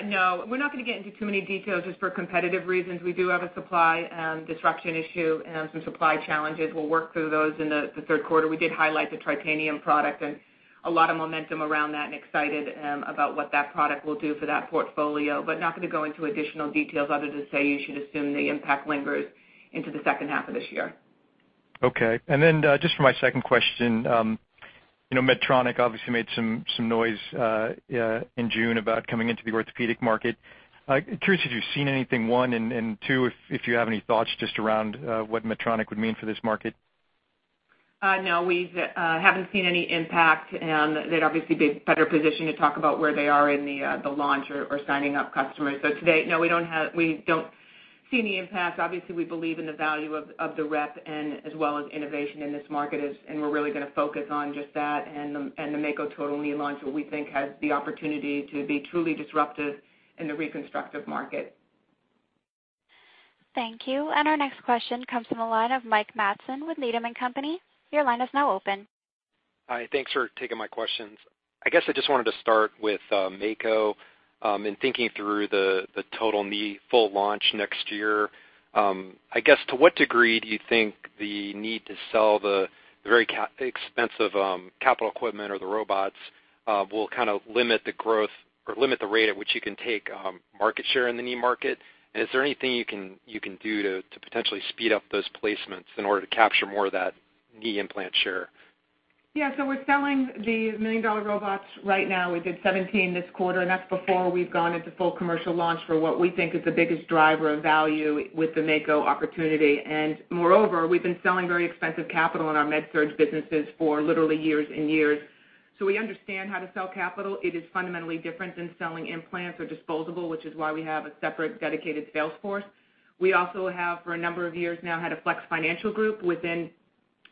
G: No. We're not going to get into too many details just for competitive reasons. We do have a supply disruption issue and some supply challenges. We'll work through those in the third quarter. We did highlight the Tritanium product and a lot of momentum around that and excited about what that product will do for that portfolio. Not going to go into additional details other than say you should assume the impact lingers into the second half of this year.
P: Okay. Then just for my second question, Medtronic obviously made some noise in June about coming into the orthopedic market. Curious if you've seen anything, one, and two, if you have any thoughts just around what Medtronic would mean for this market.
G: No. They'd obviously be better positioned to talk about where they are in the launch or signing up customers. Today, no, we don't see any impact. Obviously, we believe in the value of the rep and as well as innovation in this market, we're really going to focus on just that and the Mako total knee launch, what we think has the opportunity to be truly disruptive in the reconstructive market.
A: Thank you. Our next question comes from the line of Mike Matson with Needham & Company. Your line is now open.
Q: Hi. Thanks for taking my questions. I guess I just wanted to start with Mako. In thinking through the total knee full launch next year, I guess, to what degree do you think the need to sell the very expensive capital equipment or the robots will kind of limit the growth or limit the rate at which you can take market share in the knee market? Is there anything you can do to potentially speed up those placements in order to capture more of that knee implant share?
G: Yeah. We're selling the million-dollar robots right now. We did 17 this quarter, that's before we've gone into full commercial launch for what we think is the biggest driver of value with the Mako opportunity. Moreover, we've been selling very expensive capital in our MedSurg businesses for literally years and years. We understand how to sell capital. It is fundamentally different than selling implants or disposable, which is why we have a separate dedicated sales force. We also have, for a number of years now, had a flex financial group within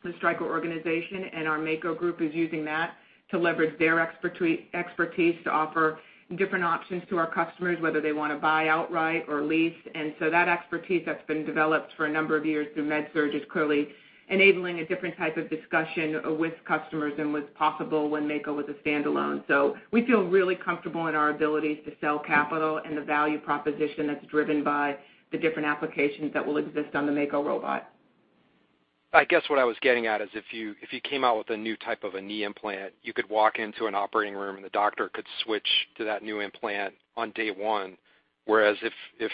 G: The Stryker Organization and our Mako group is using that to leverage their expertise to offer different options to our customers, whether they want to buy outright or lease. That expertise that's been developed for a number of years through MedSurg is clearly enabling a different type of discussion with customers than was possible when Mako was a standalone. We feel really comfortable in our ability to sell capital and the value proposition that's driven by the different applications that will exist on the Mako robot.
Q: I guess what I was getting at is if you came out with a new type of a knee implant, you could walk into an operating room, and the doctor could switch to that new implant on day one. Whereas if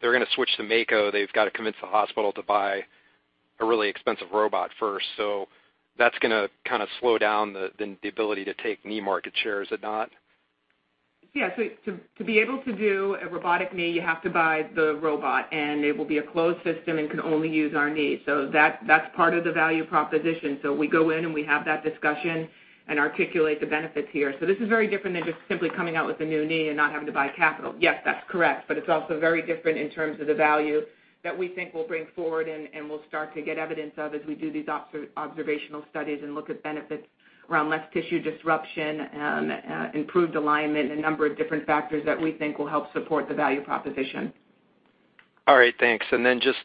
Q: they're going to switch to Mako, they've got to convince the hospital to buy a really expensive robot first. That's going to kind of slow down the ability to take knee market share, is it not?
G: Yeah. To be able to do a robotic knee, you have to buy the robot, and it will be a closed system and can only use our knee. That's part of the value proposition. We go in, and we have that discussion and articulate the benefits here. This is very different than just simply coming out with a new knee and not having to buy capital. Yes, that's correct, but it's also very different in terms of the value that we think we'll bring forward and we'll start to get evidence of as we do these observational studies and look at benefits around less tissue disruption, improved alignment, and a number of different factors that we think will help support the value proposition.
Q: All right, thanks. Just,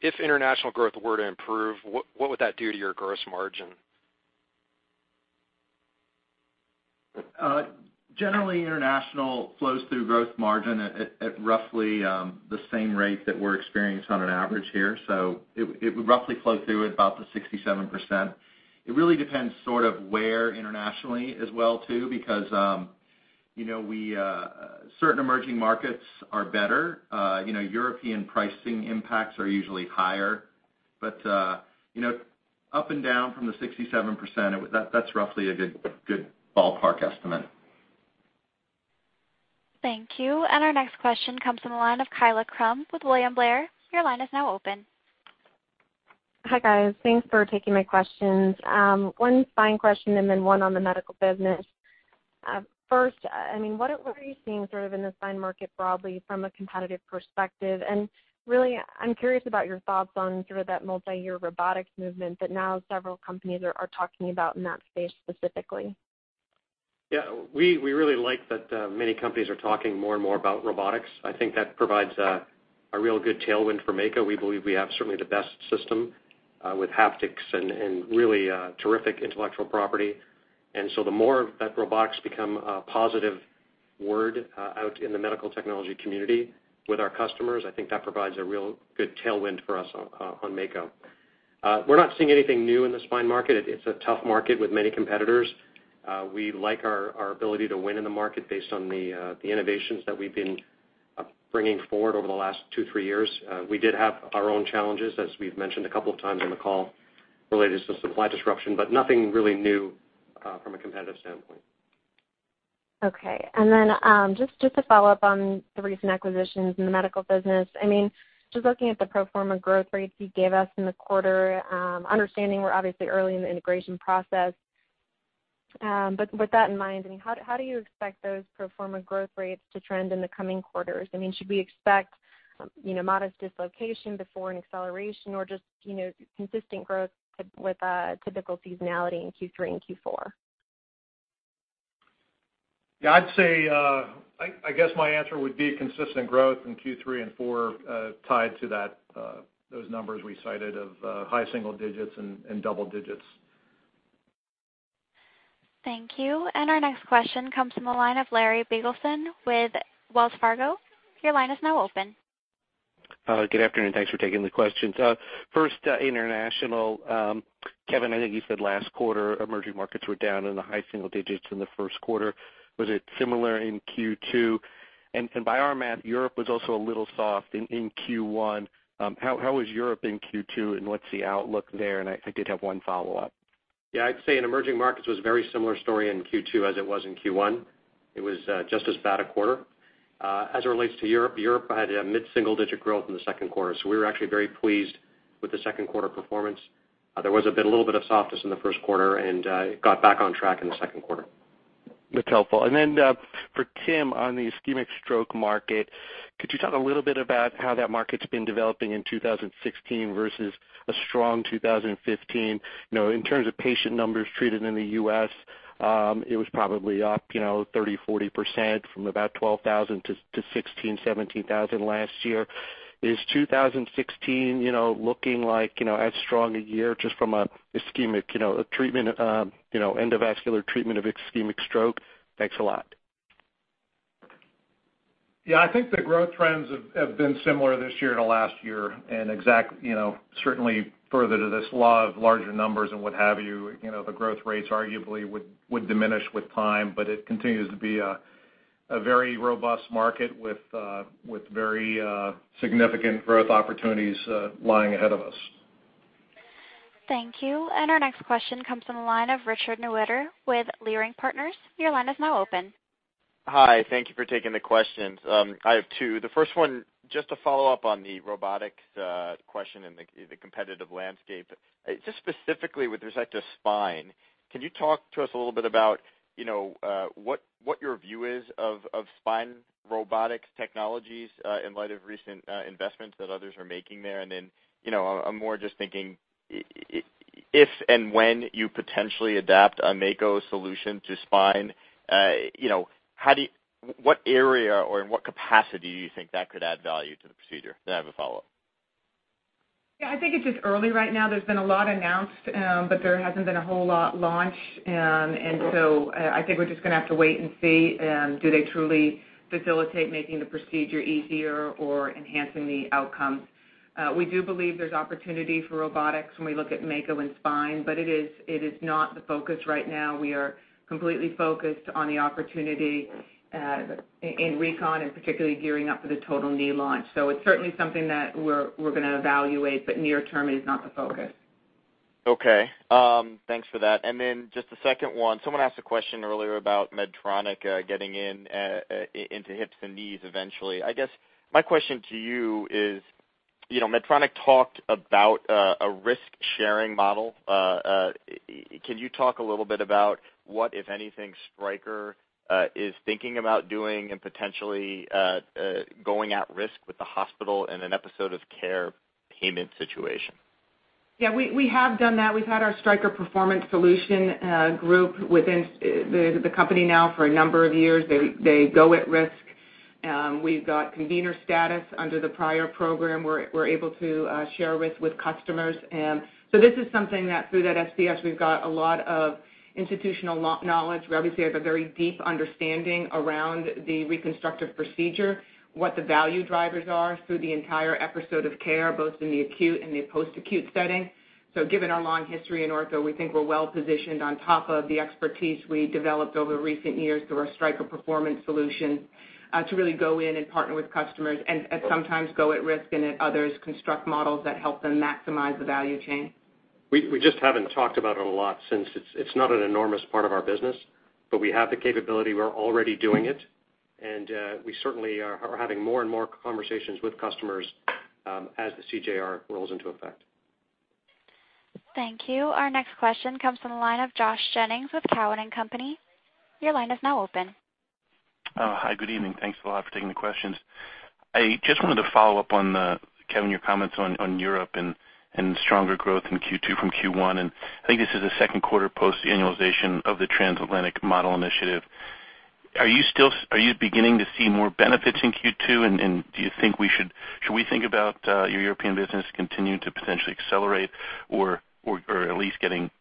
Q: if international growth were to improve, what would that do to your gross margin?
D: Generally, international flows through gross margin at roughly the same rate that we're experienced on an average here. It would roughly flow through at about the 67%. It really depends sort of where internationally as well too, because certain emerging markets are better. European pricing impacts are usually higher, but up and down from the 67%, that's roughly a good ballpark estimate.
A: Thank you. Our next question comes from the line of Kaila Krum with William Blair. Your line is now open.
R: Hi, guys. Thanks for taking my questions. One spine question and then one on the medical business. First, what are you seeing sort of in the spine market broadly from a competitive perspective? Really, I'm curious about your thoughts on sort of that multi-year robotics movement that now several companies are talking about in that space specifically.
B: Yeah, we really like that many companies are talking more and more about robotics. I think that provides a real good tailwind for Mako. We believe we have certainly the best system with haptics and really terrific intellectual property. The more that robotics become a positive word out in the medical technology community with our customers, I think that provides a real good tailwind for us on Mako. We're not seeing anything new in the spine market. It's a tough market with many competitors. We like our ability to win in the market based on the innovations that we've been bringing forward over the last two, three years. We did have our own challenges, as we've mentioned a couple of times on the call, related to supply disruption, nothing really new from a competitive standpoint.
R: Okay, and then just to follow up on the recent acquisitions in the medical business. Just looking at the pro forma growth rates you gave us in the quarter, understanding we're obviously early in the integration process, but with that in mind, how do you expect those pro forma growth rates to trend in the coming quarters? Should we expect modest dislocation before an acceleration or just consistent growth with a typical seasonality in Q3 and Q4?
C: Yeah, I'd say, I guess my answer would be consistent growth in Q3 and Q4 tied to those numbers we cited of high single digits and double digits.
A: Thank you. Our next question comes from the line of Larry Biegelsen with Wells Fargo. Your line is now open.
S: Good afternoon. Thanks for taking the questions. First, international. Kevin, I think you said last quarter emerging markets were down in the high single digits in the first quarter. Was it similar in Q2? By our math, Europe was also a little soft in Q1. How was Europe in Q2, and what's the outlook there? I did have one follow-up.
D: I'd say in emerging markets was a very similar story in Q2 as it was in Q1. It was just as bad a quarter. As it relates to Europe had a mid-single digit growth in the second quarter. We were actually very pleased with the second quarter performance. There was a little bit of softness in the first quarter, and it got back on track in the second quarter.
S: That's helpful. For Tim, on the ischemic stroke market, could you talk a little bit about how that market's been developing in 2016 versus a strong 2015? In terms of patient numbers treated in the U.S., it was probably up 30%-40% from about 12,000 to 16,000, 17,000 last year. Is 2016 looking like as strong a year just from an endovascular treatment of ischemic stroke? Thanks a lot.
C: I think the growth trends have been similar this year to last year and certainly further to this law of larger numbers and what have you. The growth rates arguably would diminish with time, it continues to be a very robust market with very significant growth opportunities lying ahead of us.
A: Thank you. Our next question comes from the line of Richard Newitter with Leerink Partners. Your line is now open.
T: Hi, thank you for taking the questions. I have two. The first one, to follow up on the robotics question and the competitive landscape. Specifically with respect to spine, can you talk to us a little bit about what your view is of spine robotics technologies in light of recent investments that others are making there? I'm more just thinking If and when you potentially adapt a Mako solution to spine, what area or in what capacity do you think that could add value to the procedure? I have a follow-up.
G: I think it's just early right now. There's been a lot announced, but there hasn't been a whole lot launched. I think we're just going to have to wait and see. Do they truly facilitate making the procedure easier or enhancing the outcomes? We do believe there's opportunity for robotics when we look at Mako and spine, but it is not the focus right now. We are completely focused on the opportunity in recon, and particularly gearing up for the total knee launch. It's certainly something that we're going to evaluate, but near term is not the focus.
T: Okay. Thanks for that. The second one, someone asked a question earlier about Medtronic getting into hips and knees eventually. I guess my question to you is, Medtronic talked about a risk-sharing model. Can you talk a little bit about what, if anything, Stryker is thinking about doing and potentially going at risk with the hospital in an episode of care payment situation?
G: We have done that. We've had our Stryker Performance Solutions group within the company now for a number of years. They go at risk. We've got convener status under the prior program. We're able to share risk with customers. This is something that through that SPS, we've got a lot of institutional knowledge. We obviously have a very deep understanding around the reconstructive procedure, what the value drivers are through the entire episode of care, both in the acute and the post-acute setting. Given our long history in ortho, we think we're well positioned on top of the expertise we developed over recent years through our Stryker Performance Solutions to really go in and partner with customers and at some times go at risk and at others construct models that help them maximize the value chain.
B: We just haven't talked about it a lot since it's not an enormous part of our business, but we have the capability. We're already doing it, and we certainly are having more and more conversations with customers as the CJR rolls into effect.
A: Thank you. Our next question comes from the line of Josh Jennings with Cowen and Company. Your line is now open.
U: Hi, good evening. Thanks a lot for taking the questions. I just wanted to follow up on, Kevin, your comments on Europe and stronger growth in Q2 from Q1. I think this is the second quarter post-annualization of the transatlantic model initiative. Are you beginning to see more benefits in Q2? Should we think about your European business continuing to potentially accelerate or at least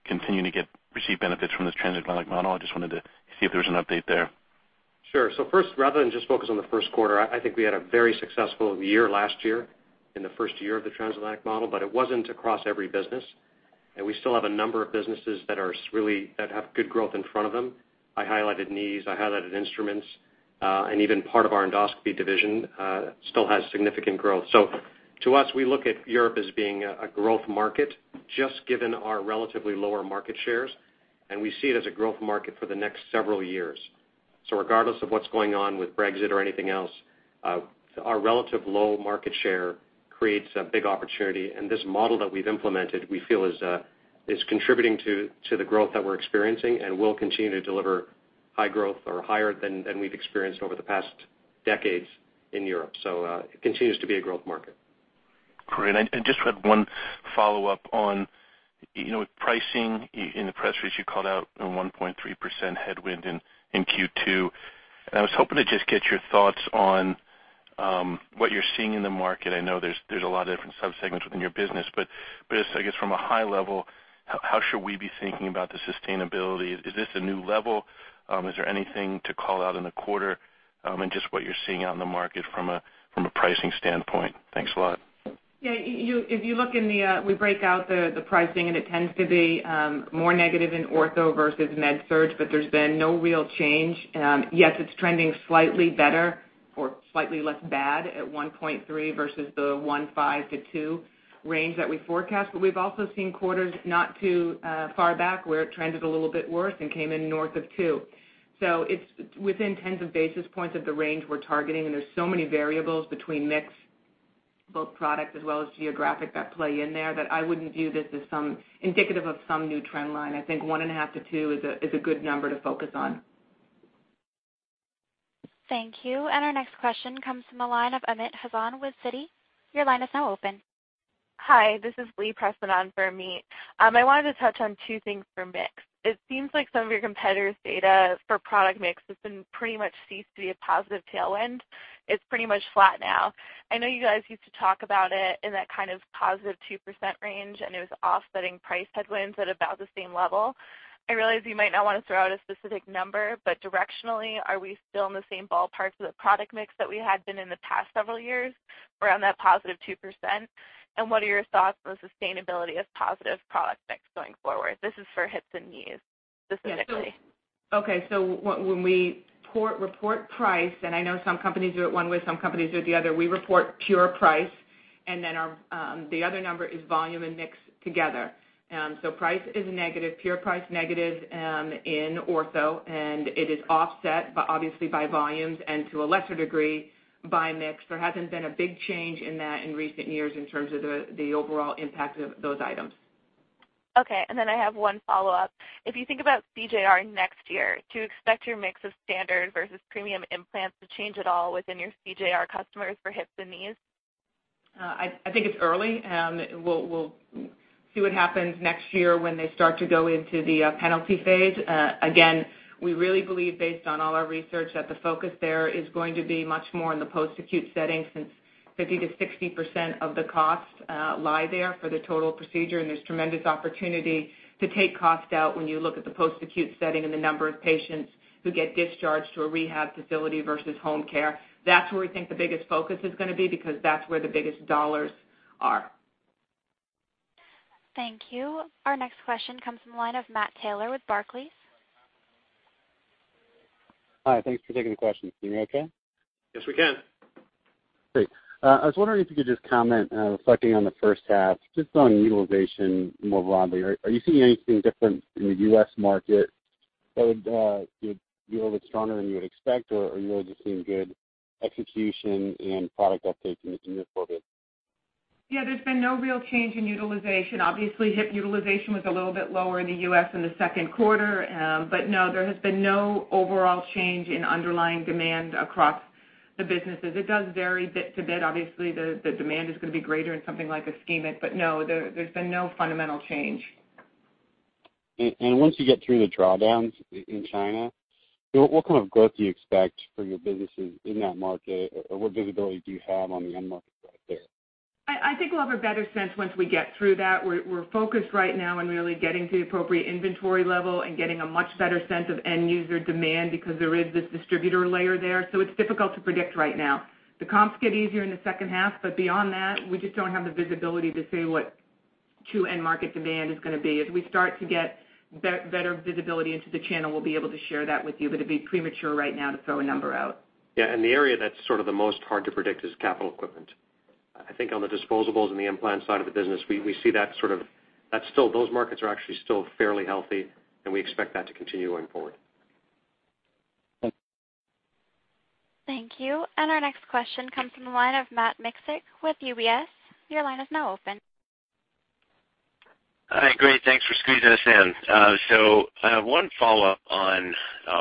U: continuing to receive benefits from this transatlantic model? I just wanted to see if there was an update there.
B: Sure. First, rather than just focus on the first quarter, I think we had a very successful year last year in the first year of the transatlantic model, but it wasn't across every business. We still have a number of businesses that have good growth in front of them. I highlighted knees, I highlighted instruments, and even part of our Endoscopy division still has significant growth. To us, we look at Europe as being a growth market, just given our relatively lower market shares, and we see it as a growth market for the next several years. Regardless of what's going on with Brexit or anything else, our relative low market share creates a big opportunity. This model that we've implemented, we feel is contributing to the growth that we're experiencing and will continue to deliver high growth or higher than we've experienced over the past decades in Europe. It continues to be a growth market.
U: Great. I just had one follow-up on with pricing. In the press release, you called out a 1.3% headwind in Q2. I was hoping to just get your thoughts on what you're seeing in the market. I know there's a lot of different subsegments within your business, but I guess from a high level, how should we be thinking about the sustainability? Is this a new level? Is there anything to call out in the quarter? Just what you're seeing out in the market from a pricing standpoint. Thanks a lot.
G: Yeah. We break out the pricing, it tends to be more negative in ortho versus MedSurg, but there's been no real change. Yes, it's trending slightly better or slightly less bad at 1.3 versus the 1.5-2 range that we forecast. We've also seen quarters not too far back where it trended a little bit worse and came in north of two. It's within tens of basis points of the range we're targeting, and there's so many variables between mix, both product as well as geographic that play in there that I wouldn't view this as indicative of some new trend line. I think one and a half to two is a good number to focus on.
A: Thank you. Our next question comes from the line of Amit Hazan with Citi. Your line is now open.
V: Hi, this is Lee pressing on for Amit. I wanted to touch on two things for mix. It seems like some of your competitors' data for product mix has been pretty much ceased to be a positive tailwind. It's pretty much flat now. I know you guys used to talk about it in that kind of positive 2% range, and it was offsetting price headwinds at about the same level. I realize you might not want to throw out a specific number, but directionally, are we still in the same ballpark for the product mix that we had been in the past several years around that positive 2%? What are your thoughts on the sustainability of positive product mix going forward? This is for hips and knees specifically.
G: Okay. When we report price, and I know some companies do it one way, some companies do it the other, we report pure price, and then the other number is volume and mix together. Price is negative, pure price negative in ortho, and it is offset obviously by volumes and to a lesser degree by mix. There hasn't been a big change in that in recent years in terms of the overall impact of those items.
V: Okay, I have one follow-up. If you think about CJR next year, to expect your mix of standard versus premium implants to change at all within your CJR customers for hips and knees?
G: I think it's early. We'll see what happens next year when they start to go into the penalty phase. We really believe, based on all our research, that the focus there is going to be much more in the post-acute setting, since 50%-60% of the costs lie there for the total procedure, and there's tremendous opportunity to take cost out when you look at the post-acute setting and the number of patients who get discharged to a rehab facility versus home care. That's where we think the biggest focus is going to be, because that's where the biggest dollars are.
A: Thank you. Our next question comes from the line of Matthew Taylor with Barclays.
W: Hi, thanks for taking the question. Can you hear me okay?
B: Yes, we can.
W: Great. I was wondering if you could just comment, reflecting on the first half, just on utilization more broadly. Are you seeing anything different in the U.S. market that would be a little bit stronger than you would expect, or are you all just seeing good execution and product uptake in the portfolio?
G: Yeah, there's been no real change in utilization. Obviously, hip utilization was a little bit lower in the U.S. in the second quarter. No, there has been no overall change in underlying demand across the businesses. It does vary bit to bit. Obviously, the demand is going to be greater in something like a ischemic. No, there's been no fundamental change.
W: Once you get through the drawdowns in China, what kind of growth do you expect for your businesses in that market, or what visibility do you have on the end market right there?
G: I think we'll have a better sense once we get through that. We're focused right now on really getting to the appropriate inventory level and getting a much better sense of end user demand, because there is this distributor layer there. It's difficult to predict right now. The comps get easier in the second half, beyond that, we just don't have the visibility to say what true end market demand is going to be. As we start to get better visibility into the channel, we'll be able to share that with you. It'd be premature right now to throw a number out.
B: Yeah, the area that's sort of the most hard to predict is capital equipment. I think on the disposables and the implant side of the business, we see those markets are actually still fairly healthy, and we expect that to continue going forward.
W: Thanks.
A: Thank you. Our next question comes from the line of Matt Miksic with UBS. Your line is now open.
X: Hi, great. Thanks for squeezing us in. I have one follow-up on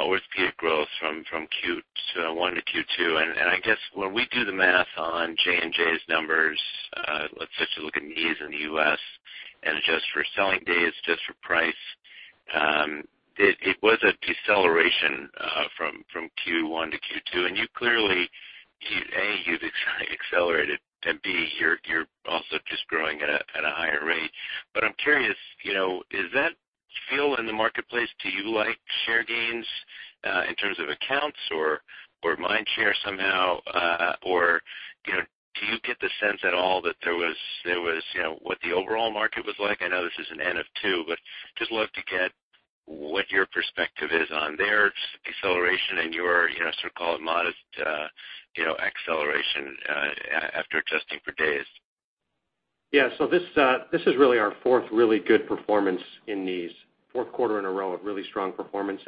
X: orthopedic growth from Q1 to Q2. I guess when we do the math on J&J's numbers, let's just look at knees in the U.S. adjust for selling days, adjust for price. It was a deceleration from Q1 to Q2. You clearly, A, you've accelerated, B, you're also just growing at a higher rate. I'm curious, is that feel in the marketplace, do you like share gains in terms of accounts or mindshare somehow? Or do you get the sense at all that there was what the overall market was like? I know this is an N of 2, just love to get what your perspective is on their acceleration and your so-called modest acceleration after adjusting for days.
B: Yeah. This is really our fourth really good performance in these. Fourth quarter in a row of really strong performance,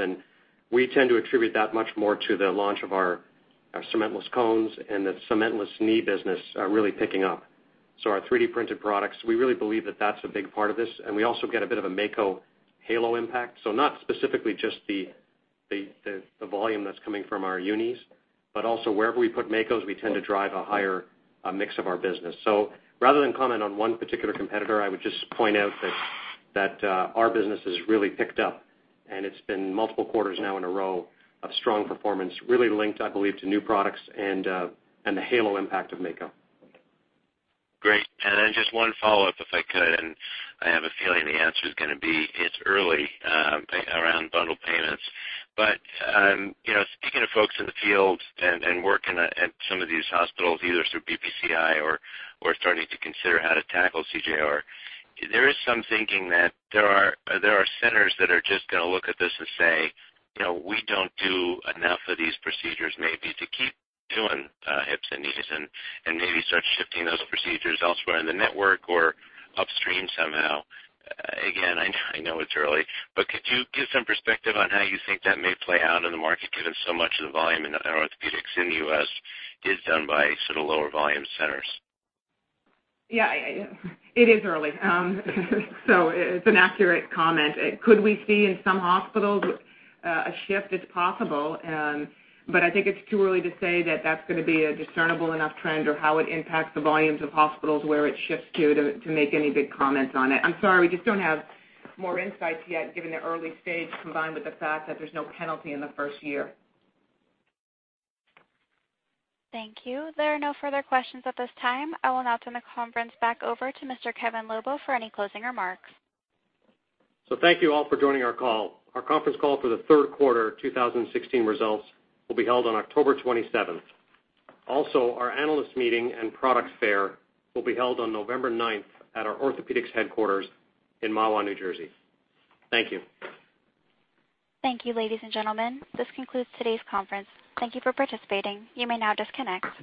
B: we tend to attribute that much more to the launch of our cementless cones and the cementless knee business really picking up. Our 3D-printed products, we really believe that that's a big part of this, we also get a bit of a Mako halo impact. Not specifically just the volume that's coming from our unis, but also wherever we put Makos, we tend to drive a higher mix of our business. Rather than comment on one particular competitor, I would just point out that our business has really picked up, it's been multiple quarters now in a row of strong performance, really linked, I believe, to new products and the halo impact of Mako.
X: Great. Then just one follow-up, if I could. I have a feeling the answer's going to be it's early around bundle payments. Speaking to folks in the field and working at some of these hospitals, either through BPCI or starting to consider how to tackle CJR, there is some thinking that there are centers that are just going to look at this and say, "We don't do enough of these procedures maybe to keep doing hips and knees," maybe start shifting those procedures elsewhere in the network or upstream somehow. Again, I know it's early, could you give some perspective on how you think that may play out in the market, given so much of the volume in orthopedics in the U.S. is done by sort of lower volume centers?
G: Yeah. It is early. It's an accurate comment. Could we see in some hospitals a shift? It's possible. I think it's too early to say that that's going to be a discernible enough trend or how it impacts the volumes of hospitals where it shifts to make any big comments on it. I'm sorry, we just don't have more insights yet, given the early stage, combined with the fact that there's no penalty in the first year.
A: Thank you. There are no further questions at this time. I will now turn the conference back over to Mr. Kevin Lobo for any closing remarks.
B: Thank you all for joining our call. Our conference call for the third quarter 2016 results will be held on October 27th. Also, our analyst meeting and products fair will be held on November 9th at our Orthopedics headquarters in Mahwah, New Jersey. Thank you.
A: Thank you, ladies and gentlemen. This concludes today's conference. Thank you for participating. You may now disconnect.